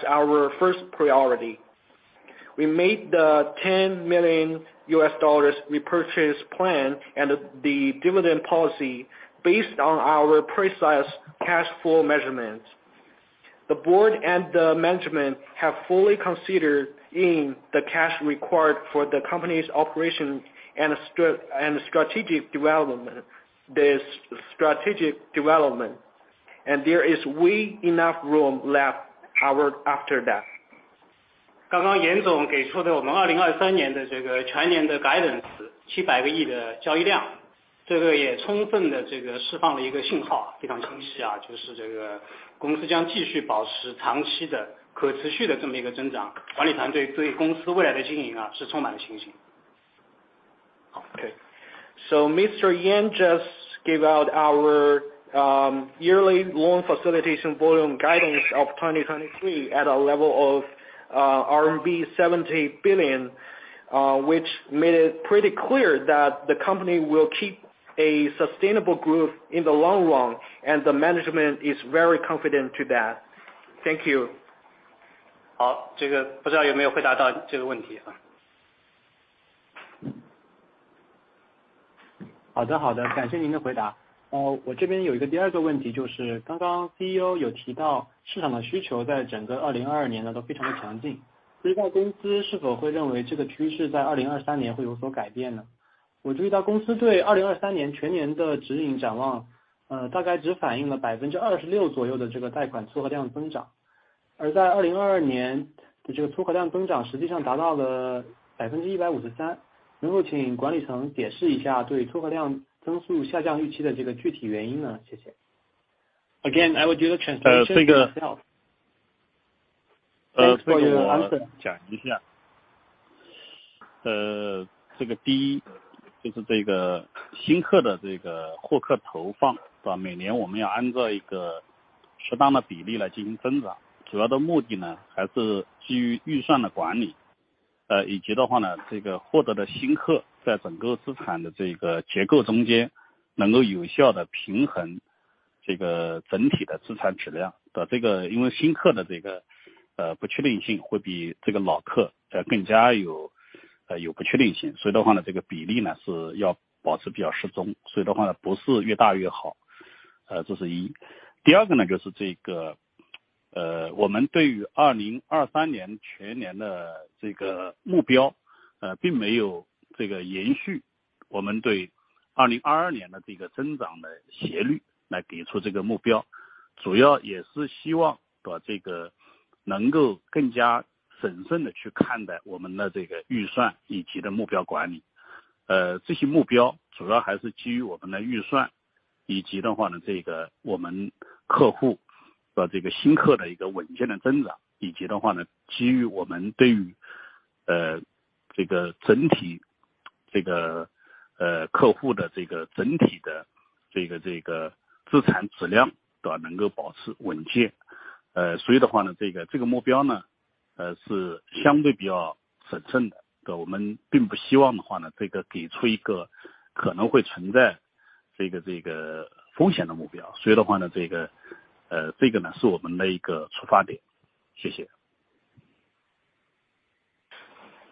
[SPEAKER 5] our first priority. We made the $10 million repurchase plan and the dividend policy based on our precise cash flow measurements. The board and the management have fully considered in the cash required for the company's operation and strategic development. The strategic development. There is way enough room left our after that.
[SPEAKER 2] 刚刚严总给出的我们2023年的这个全年的 guidance, CNY 70 billion 的交易 量, 这个也充分地这个释放了一个信 号, 非常清 晰, 就是这个公司将继续保持长期的可持续的这么一个增 长. 管理团队对公司未来的经营是充满信 心.
[SPEAKER 1] Mr. Yan just give out our yearly loan facilitation volume guidance of 2023 at a level of RMB 70 billion, which made it pretty clear that the company will keep a sustainable growth in the long run, and the management is very confident to that. Thank you.
[SPEAKER 2] 好， 这个不知道有没有回答到这个问题啊。
[SPEAKER 5] 好的好 的， 感谢您的回答。呃， 我这边有一个第二个问 题， 就是刚刚 CEO 有提 到， 市场的需求在整个2022年都非常的强 劲， 不知道公司是否会认为这个趋势在2023年会有所改变呢？我注意到公司对2023年全年的指引展 望， 呃， 大概只反映了百分之二十六左右的这个贷款撮合量增 长， 而在2022 年， 就这个撮合量增长实际上达到了百分之一百五十三。能否请管理层解释一下对撮合量增速下降预期的这个具体原因 呢？ 谢谢。Again, I will do the translation yourself.
[SPEAKER 2] 这 个， 我讲一下。这个第一就是这个新客的这个获客投放是 吧， 每年我们要按照一个适当的比例来进行增 长， 主要的目的呢还是基于预算的管 理， 以及的话 呢， 这个获得的新客在整个资产的这个结构中间能够有效地平衡这个整体的资产质量。这个因为新客的这个不确定性会比这个老客更加有不确定 性， 所以的话 呢， 这个比例 呢， 是要保持比较适 中， 所以的话 呢， 不是越大越 好， 这是 1。第二个 呢， 就是这个我们对于2023年全年的这个目标并没有这个延续我们对2022年的这个增长的斜率来给出这个目 标， 主要也是希望把这个能够更加审慎地去看待我们的这个预算以及的目标管理。这些目标主要还是基于我们的预 算， 以及的话 呢， 这个我们客户把这个新客的一个稳健的增 长， 以及的话 呢， 基于我们对于这个整 体， 这个客户的这个整体的这个资产质量能够保持稳 健， 所以的话 呢， 这个目标 呢， 是相对比较审慎 的， 我们并不希望的话 呢， 这个给出一个可能会存在这个风险的目标。所以的话 呢， 这个 呢， 是我们的一个出发点。谢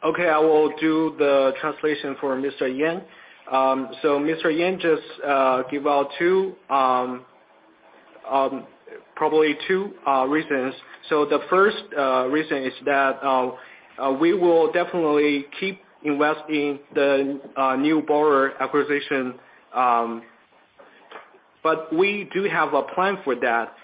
[SPEAKER 1] I will do the translation for Mr. Yan. Mr. Yan just give out to probably two reasons. The first reason is that we will definitely keep investing the new borrower acquisition. We do have a plan for that.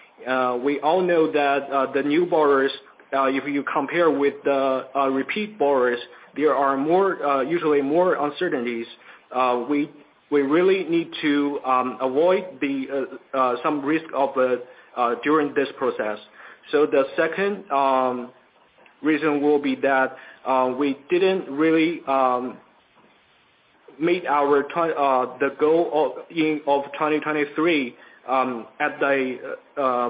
[SPEAKER 1] We all know that the new borrowers, if you compare with the repeat borrowers, there are more, usually more uncertainties. We really need to avoid the some risk of during this process. The second reason will be that we didn't really meet our the goal in of 2023 at the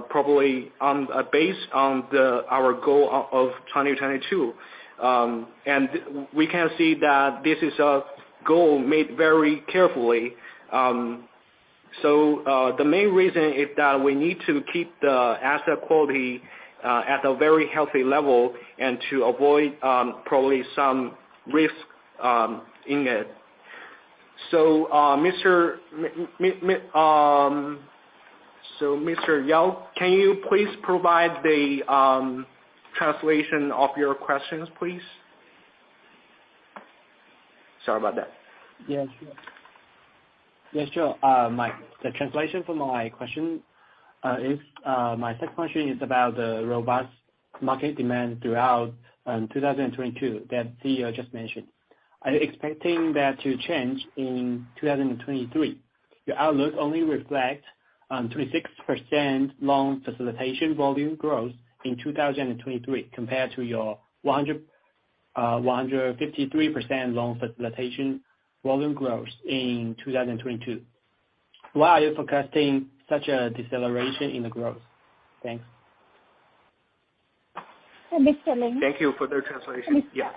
[SPEAKER 1] probably on a base on the our goal of 2022. We can see that this is a goal made very carefully. The main reason is that we need to keep the asset quality at a very healthy level and to avoid probably some risk in it. Mr. Ling Yao, can you please provide the translation of your questions, please? Sorry about that.
[SPEAKER 5] Yeah, sure. Yeah, sure. My translation for my question is, my first question is about the robust market demand throughout 2022 that CEO just mentioned. Are you expecting that to change in 2023? Your outlook only reflects 26% long facilitation volume growth in 2023 compared to your 153% long facilitation volume growth in 2022. Why are you forecasting such a deceleration in the growth? Thanks.
[SPEAKER 6] Mr. Lin.
[SPEAKER 1] Thank you for the translation. Yeah.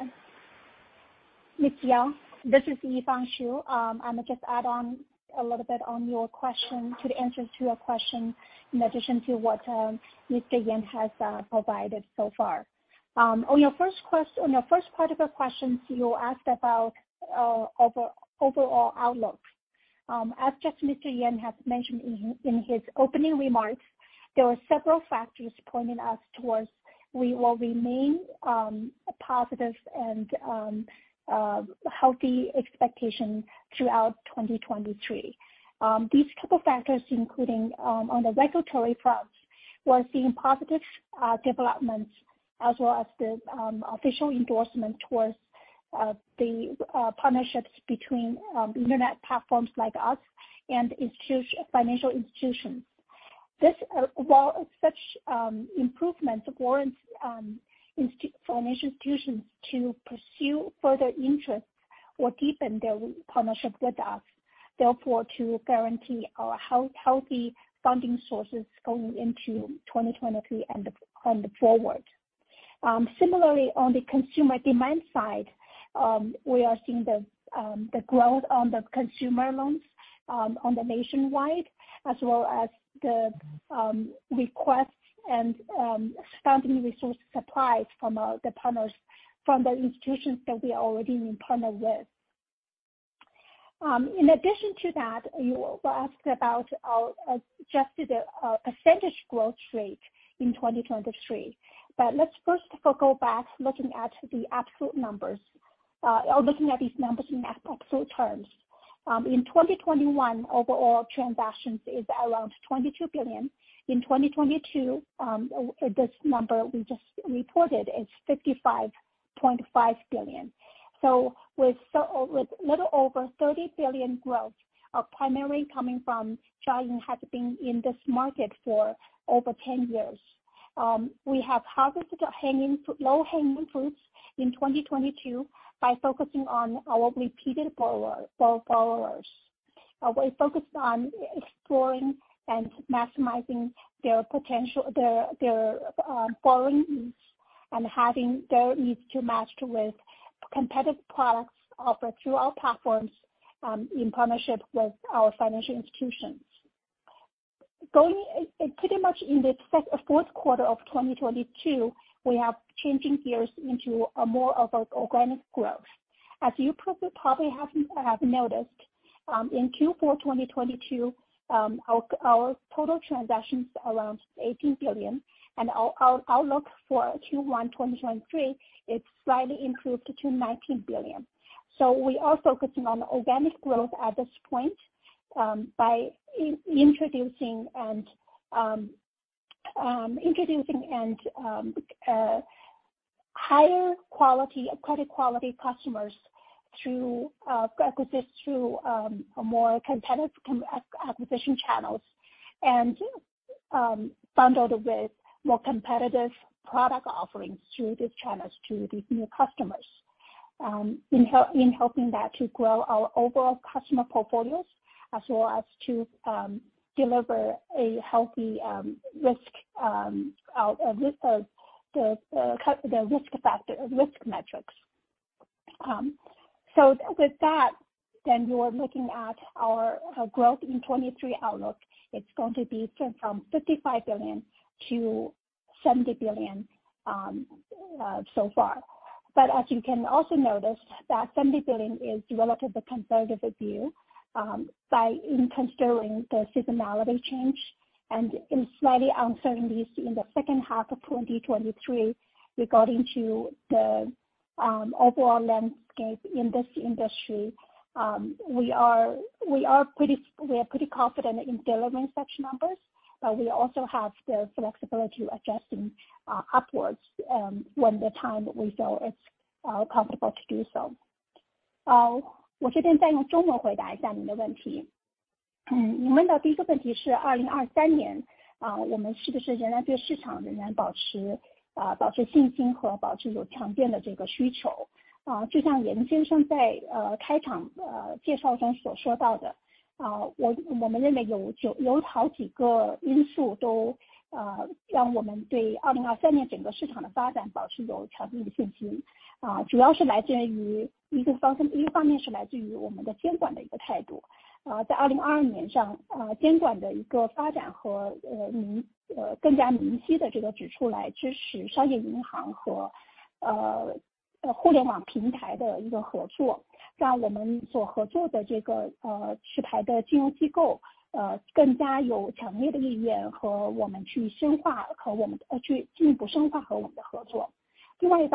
[SPEAKER 6] This is Yifang Xu. I'm just add on a little bit on your question to the answers to your question in addition to what Mr. Yan has provided so far. On your first question, on your first part of your question, you asked about overall outlook. As just Mr. Yan has mentioned in his opening remarks, there are several factors pointing us towards we will remain positive and healthy expectations throughout 2023. These couple factors, including on the regulatory front. We are seeing positive developments as well as the official endorsement towards the partnerships between internet platforms like us and financial institutions. This, while such improvements warrants for financial institutions to pursue further interests or deepen their partnerships with us, therefore to guarantee our healthy funding sources going into 2023 and forward. Similarly, on the consumer demand side, we are seeing the growth on the consumer loans, on the nationwide, as well as the requests and funding resource supplies from the institutions that we are already in partner with. In addition to that, you were asking about our adjusted percentage growth rate in 2023. Let's first go back looking at the absolute numbers, or looking at these numbers in absolute terms. In 2021 overall transactions is around 22 billion. In 2022, this number we just reported is 55.5 billion. With little over 30 billion growth are primarily coming from Jiayin having been in this market for over 10 years. We have harvested low-hanging fruits in 2022 by focusing on our repeated followers. We focused on exploring and maximizing their borrowing needs and having their needs to match with competitive products offered through our platforms, in partnership with our financial institutions. Going pretty much in the fourth quarter of 2022, we have changing gears into a more of organic growth. As you probably have noticed, in Q4 2022, our total transactions around 18 billion, and our outlook for Q1 2023 is slightly improved to 19 billion. We are focusing on organic growth at this point, by introducing higher quality credit quality customers through acquisition through more competitive acquisition channels and bundled with more competitive product offerings through these channels to these new customers, in helping that to grow our overall customer portfolios, as well as to deliver a healthy risk out of this the risk factor risk metrics. With that then you're looking at our growth in 2023 outlook. It's going to be from 55 billion-70 billion so far. As you can also notice that 70 billion is relatively conservative view by considering the seasonality change and in slightly uncertainties in the second half of 2023 regarding to the overall landscape in this industry. We are pretty confident in delivering such numbers, but we also have the flexibility to adjusting upwards when the time we feel it's comfortable to do so. 我这边再用中文回答一下您的问题。你问的第一个问题是2023 年， 我们是不是仍然对市场仍然保持信心和保持有强烈的这个需求。就像严先生在开场介绍中所说到 的， 我们认为有好几个因素都让我们对2023年整个市场的发展保持有强烈的信 心， 主要是来自于一个方面是来自于我们的监管的一个态度。在2022年上监管的一个发展和更加明晰的这个指出来支持商业银行和互联网平台的一个合 作， 让我们所合作的这个持牌的金融机构更加有强烈的意愿和我们去深 化， 去进一步深化和我们的合作。另外一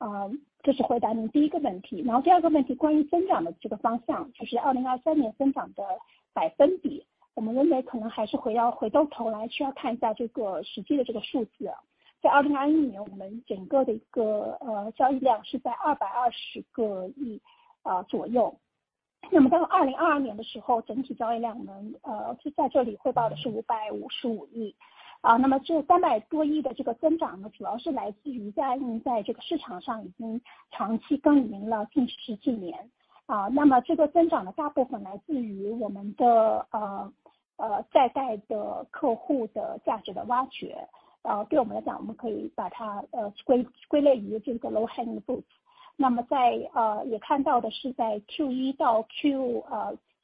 [SPEAKER 6] 方面从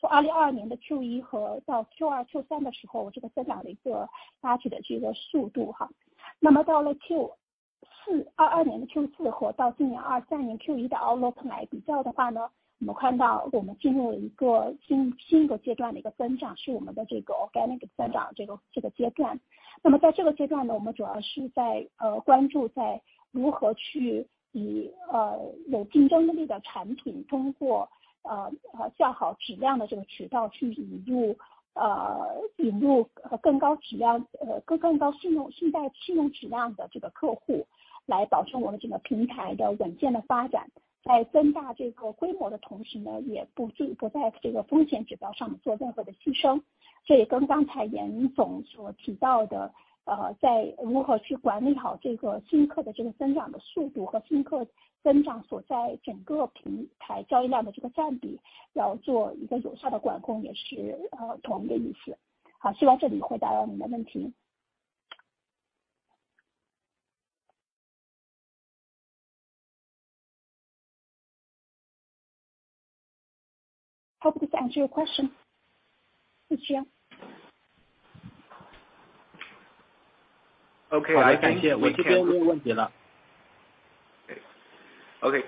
[SPEAKER 6] 这个
[SPEAKER 5] Ok, 我这边没问题 了.
[SPEAKER 1] Okay.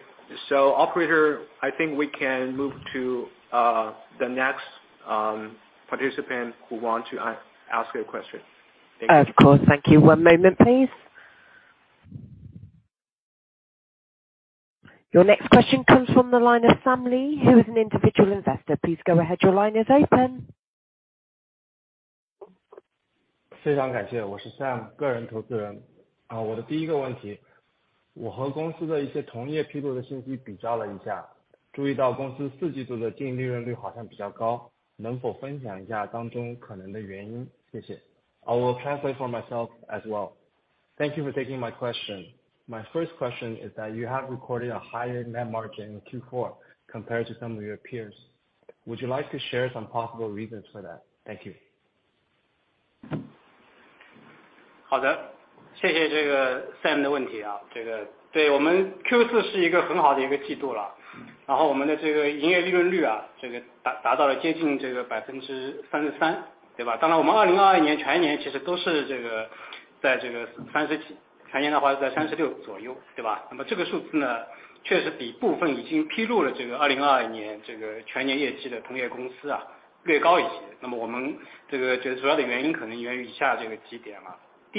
[SPEAKER 1] Operator, I think we can move to the next participant who want to ask a question.
[SPEAKER 4] Of course, thank you. One moment please. Your next question comes from the line of Sam Lee, who's an individual investor. Please go ahead. Your line is open.
[SPEAKER 7] 非常感 谢， 我是 Sam， 个人投资人。我的第一个问 题， 我和公司的一些同业披露的信息比较了一 下， 注意到公司四季度的净利润率好像比较高。能否分享一下当中可能的原 因？ 谢谢。I'll translate for myself as well. Thank you for taking my question. My first question is that you have recorded a higher net margin Q4 compared to some of your peers. Would you like to share some possible reasons for that? Thank you.
[SPEAKER 3] 好的，谢谢 Sam 的问题。对我们 Q4 是一个很好的一个季度，然后我们的营业利润率达到了接近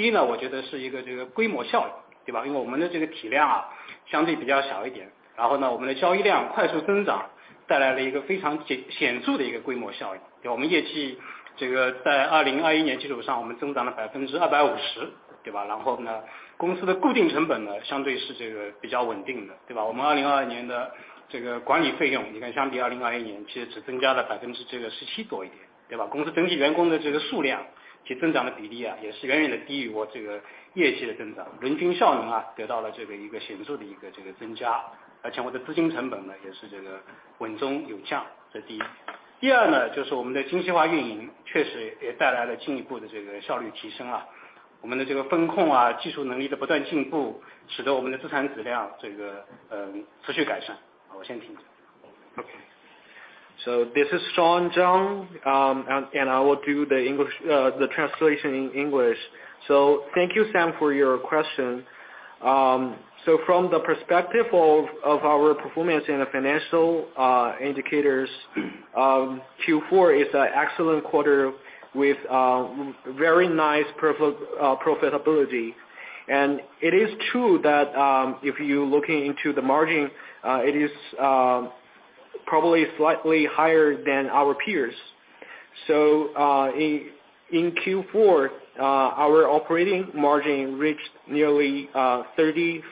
[SPEAKER 3] 33%。当然我们 2021 年全年其实都是，在 30 几，全年 的话在 36 左右。这个数字呢，确实比部分已经披露了 2022 年全年业绩的同业公司略高一些。我们，这主要的原因可能源于以下几点。第一呢，我觉得是一个规模效应。因为我们的体量相对比较小一点，然后呢我们的交易量快速增长，带来了一个非常显著的一个规模效应。我们业绩在 2021 年基础上，我们增长了 250%。然后呢，公司的固定成本呢，相对是比较稳定的。我们 2022 年的管理费用，你看相比 2021 年其实只增加了 17%
[SPEAKER 1] This is Shawn Zhang. I will do the English the translation in English. Thank you Sam for your question. From the perspective of our performance in financial indicators. Q4 is an excellent quarter with a very nice profit profitability. It is true that if you're looking into the margin, it is probably slightly higher than our peers. In Q4 our operating margin reached nearly 33%.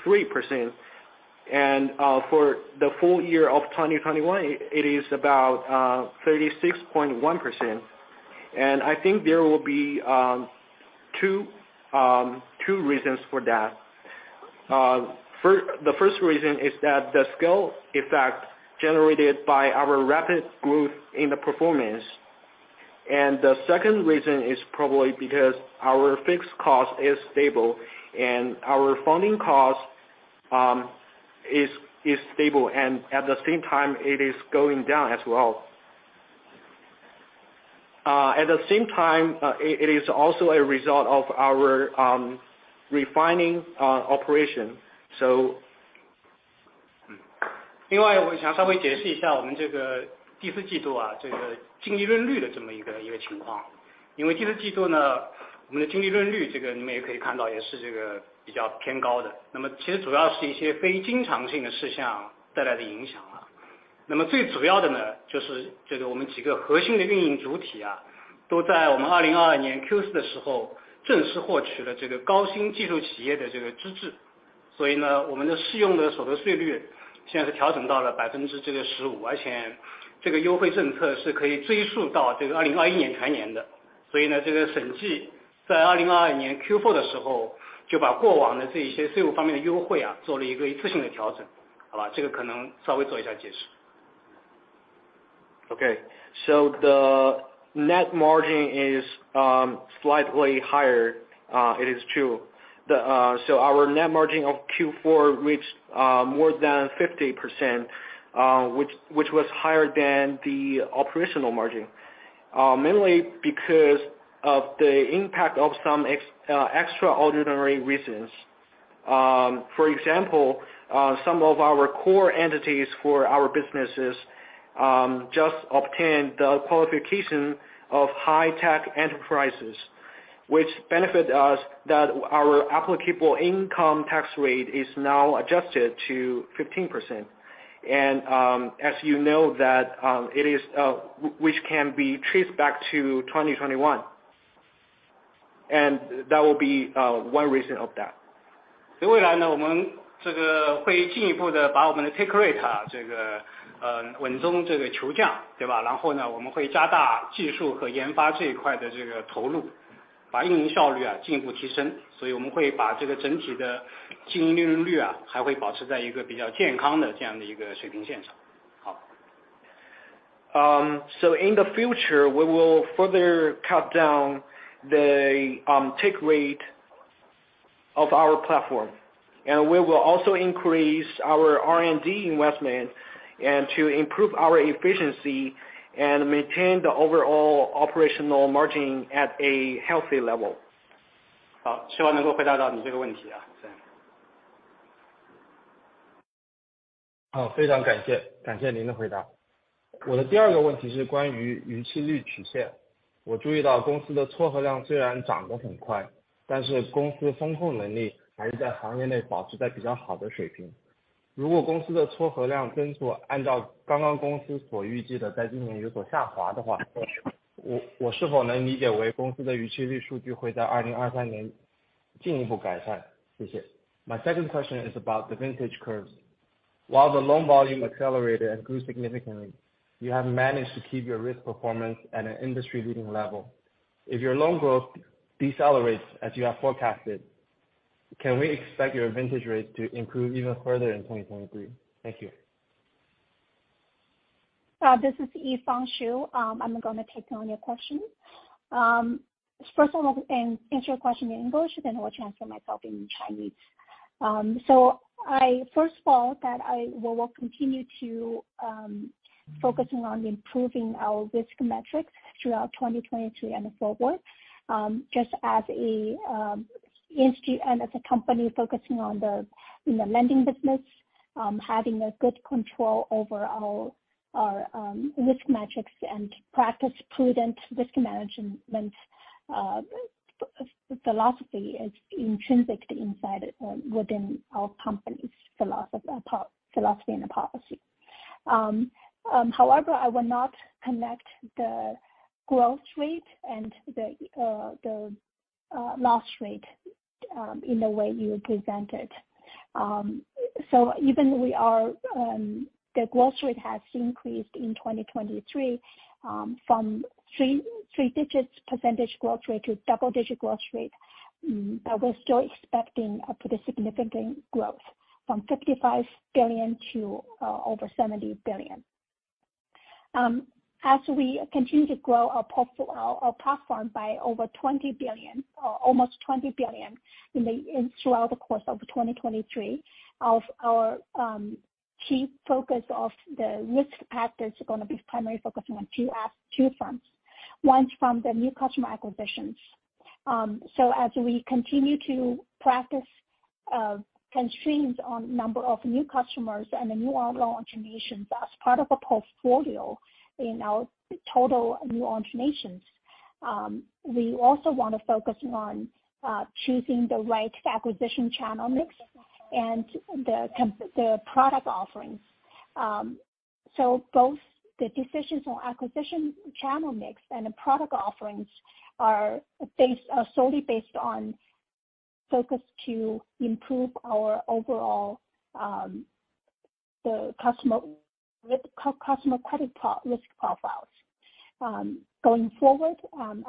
[SPEAKER 1] For the full year of 2021, it is about 36.1%. I think there will be two reasons for that. First the first reason is that the skill effect generated by our rapid growth in the performance. The second reason is probably because our fixed cost is stable, and our funding cost is stable, and at the same time it is going down as well. At the same time it is also a result of our refining operation.
[SPEAKER 3] 2022年 Q4 的时候正式获取了高新技术企业的资质。所以呢，我们的适用的所得税率现在是调整到了 15%，而且这个优惠政策是可以追溯到 2021 年全年的。所以呢，这个审计在 2022年 Q4 的时候，就把过往的这一一些税务方面的优惠做了一个一次性的调整。好吧，可能稍微做一下解释
[SPEAKER 1] Okay. The net margin is slightly higher, it is true. The net margin of Q4 reached more than 50%, which was higher than the operational margin. Mainly because of the impact of some extraordinary reasons. For example, some of our core entities for our businesses just obtained the qualification of high-tech enterprises, which benefit us that our applicable income tax rate is now adjusted to 15%. As you know that, which can be traced back to 2021. That will be one reason of that. In the future, we will further cut down the take rate of our platform, and we will also increase our R&D investment and to improve our efficiency and maintain the overall operational margin at a healthy level.
[SPEAKER 7] very 感 謝. 感謝您的回答。我的第二个问题是关于逾期率曲线。我注意到公司的撮合量虽然涨得很 快， 但是公司风控能力还是在行业内保持在比较好的水平。如果公司的撮合量增速按照刚刚公司所预计的在今年有所下滑的 话， 我是否能理解为公司的逾期率数据会在2023年进一步改 善？ 谢谢。My second question is about the vintage curves. While the loan volume accelerated and grew significantly, you have managed to keep your risk performance at an industry-leading level. If your loan growth decelerates as you have forecasted, can we expect your vintage rates to improve even further in 2023? Thank you.
[SPEAKER 6] This is Yi Fang Xu. I'm gonna take on your question. First of all, and answer your question in English, then I will transfer myself in Chinese. I first of all, that we will continue to focusing on improving our risk metrics throughout 2023 and forward. Just as a company focusing on the, you know, lending business, having a good control over our risk metrics and practice prudent risk management, philosophy is intrinsic inside within our company's philosophy and policy. However, I will not connect the growth rate and the loss rate in the way you present it. Even we are, the growth rate has increased in 2023, from three digits percentage growth rate to double-digit growth rate, we're still expecting a pretty significant growth from 55 billion to over 70 billion. As we continue to grow our our platform by over 20 billion or almost 20 billion and throughout the course of 2023 of our key focus of the risk practice are gonna be primarily focusing on two fronts. One's from the new customer acquisitions. As we continue to practice constraints on number of new customers and the new loan originations as part of a portfolio in our total new originations, we also wanna focusing on choosing the right acquisition channel mix and the product offerings. Both the decisions on acquisition channel mix and the product offerings are solely based on focus to improve our overall customer credit risk profiles. Going forward,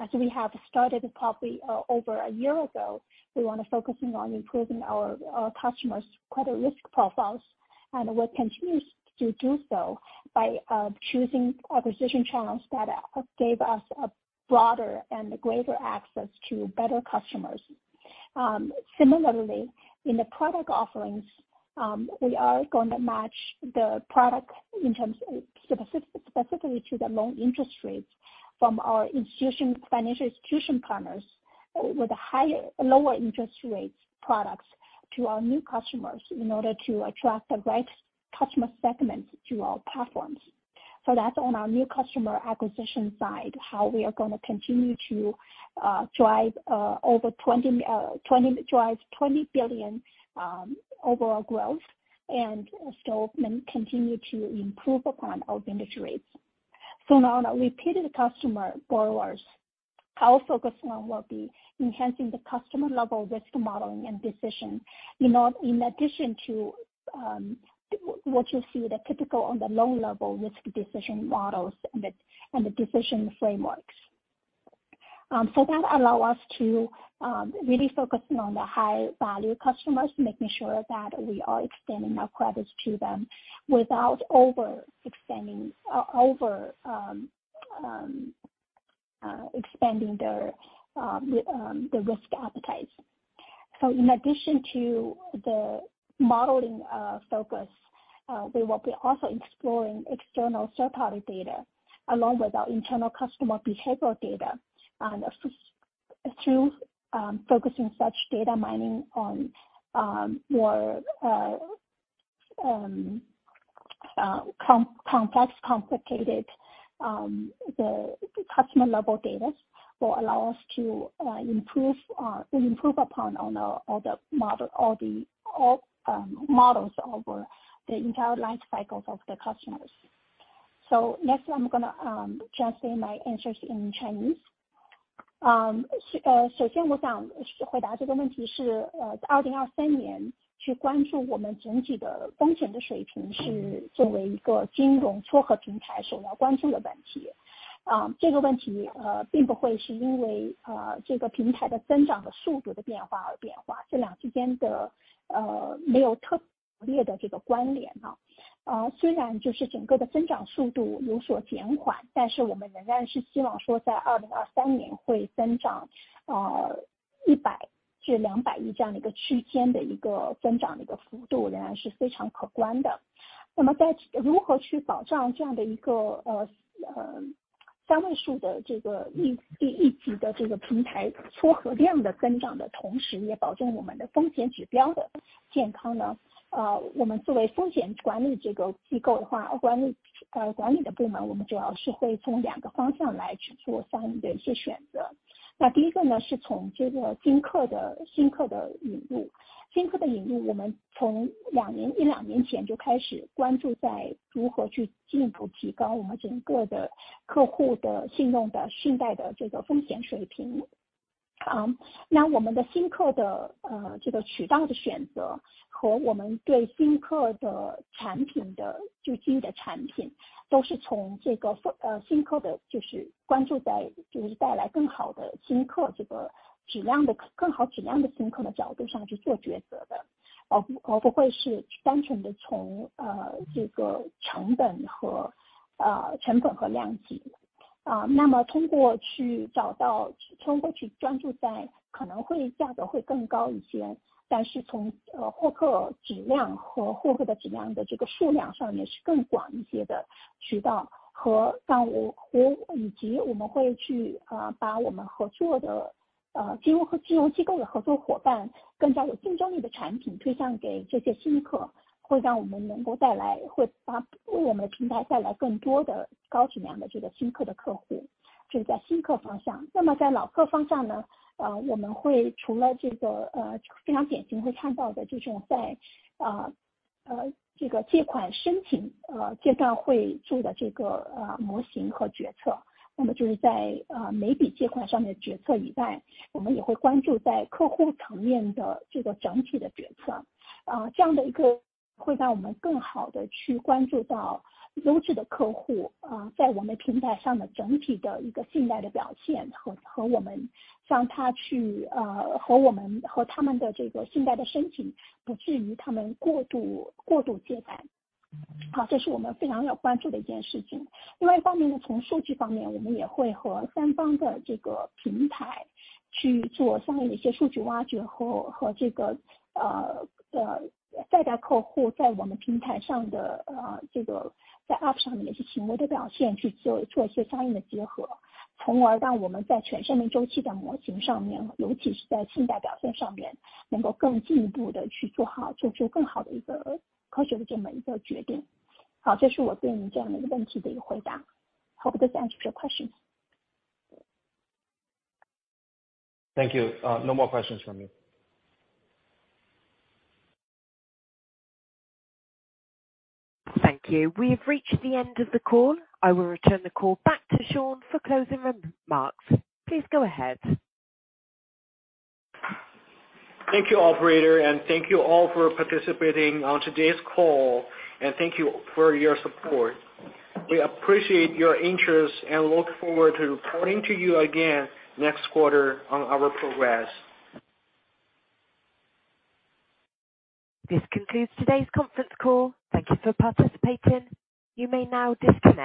[SPEAKER 6] as we have started probably over a year ago, we wanna focusing on improving our customers' credit risk profiles, and will continue to do so by choosing acquisition channels that gave us a broader and greater access to better customers. Similarly, in the product offerings, we are going to match the product in terms specifically to the loan interest rates from our institution, financial institution partners with lower interest rates products to our new customers in order to attract the right customer segment to our platforms. That's on our new customer acquisition side, how we are gonna continue to drive 20 billion overall growth and still continue to improve upon our vintage rates. Now on our repeated customer borrowers, our focus now will be enhancing the customer level risk modeling and decision in addition to which is through the typical on the loan level risk decision models and the decision frameworks. That allow us to really focusing on the high value customers, making sure that we are extending our credits to them without overextending expanding their the risk appetite. In addition to the modeling focus, we will be also exploring external third party data along with our internal customer behavioral data and assist through focusing such data mining on more complex, complicated the customer level data will allow us to improve upon on all the model, all the models over the entire life cycles of the customers. Next I'm gonna translate my answers in Chinese. 首先我想回答这个问题是在2023年去关注我们整体的风险的水 平， 是作为一个金融撮合平台首要关注的问题。这个问题并不会是因为这个平台的增长的速度的变化而变 化， 这两之间的没有特别的这个关联。虽然就是整个的增长速度有所减 缓， 但是我们仍然是希望说在2023年会增长 CNY 10 billion-CNY 20 billion 这样的一个区间的一个增长的一个幅 度， 仍然是非常可观的。那么在如何去保障这样的一个三位数的这个一级的这个平台撮合量的增长的同 时， 也保证我们的风险指标的健康呢？我们作为风险管理这个机构的 话， 管理的部 门， 我们主要是会从两个方向来去做相应的一些选择。那第一个 呢， 是从这个新客的引 入， 我们从两 年， 一两年前就开始关注在如何去进一步提高我们整个的客户的信用的信贷的这个风险水平。那我们的新客的这个渠道的选择和我们对新客的产品 的， 就新的产品都是从这个新客的就是关注在就是带来更好的新 客， 这个质量的新客的角度上去做抉择 的， 而不会是单纯的从这个成本和量级。那么通过去找 到， 通过去专注在可能会价格会更高一 些， 但是从获客质量和获客的质量的这个数量上面是更广一些的渠道和但我活以及我们会去把我们合作的金融机构的合作伙伴更加有竞争力的产品推向给这些新客，会让我们能够带 来， 会把为我们的平台带来更多的高质量的这个新客的客 户， 这是在新客方向。那么在老客方向 呢， 我们会除了这个非常典型会看到的就是在这个借款申请阶段会做的这个模型和决 策， 那么就是在每笔借款上面决策以 外， 我们也会关注在客户层面的这个整体的决 策， 这样的一个会让我们更好地去关注到优质的客 户， 在我们平台上的整体的一个信贷的表现和和我们让他去和我们和他们的这个信贷的申 请， 不至于他们过度借贷。这是我们非常有关注的一件事情。另外一方面 呢， 从数据方 面， 我们也会和三方的这个平台去做相应的一些数据挖掘和这个在贷客户在我们平台上的这个在 app 上面一些行为的表现去做一些相应的结 合， 从而让我们在全生命周期的模型上 面， 尤其是在信贷表现上 面， 能够更进一步地去做 好， 做出更好的一个科学的这么一个决定。这是我对你这样的一个问题的一个回答。Hope this answer your question.
[SPEAKER 7] Thank you. No more questions from me.
[SPEAKER 4] Thank you. We've reached the end of the call. I will return the call back to Shawn for closing remarks. Please go ahead.
[SPEAKER 1] Thank you operator, and thank you all for participating on today's call, and thank you for your support. We appreciate your interest and look forward to reporting to you again next quarter on our progress.
[SPEAKER 4] This concludes today's conference call. Thank you for participating. You may now disconnect.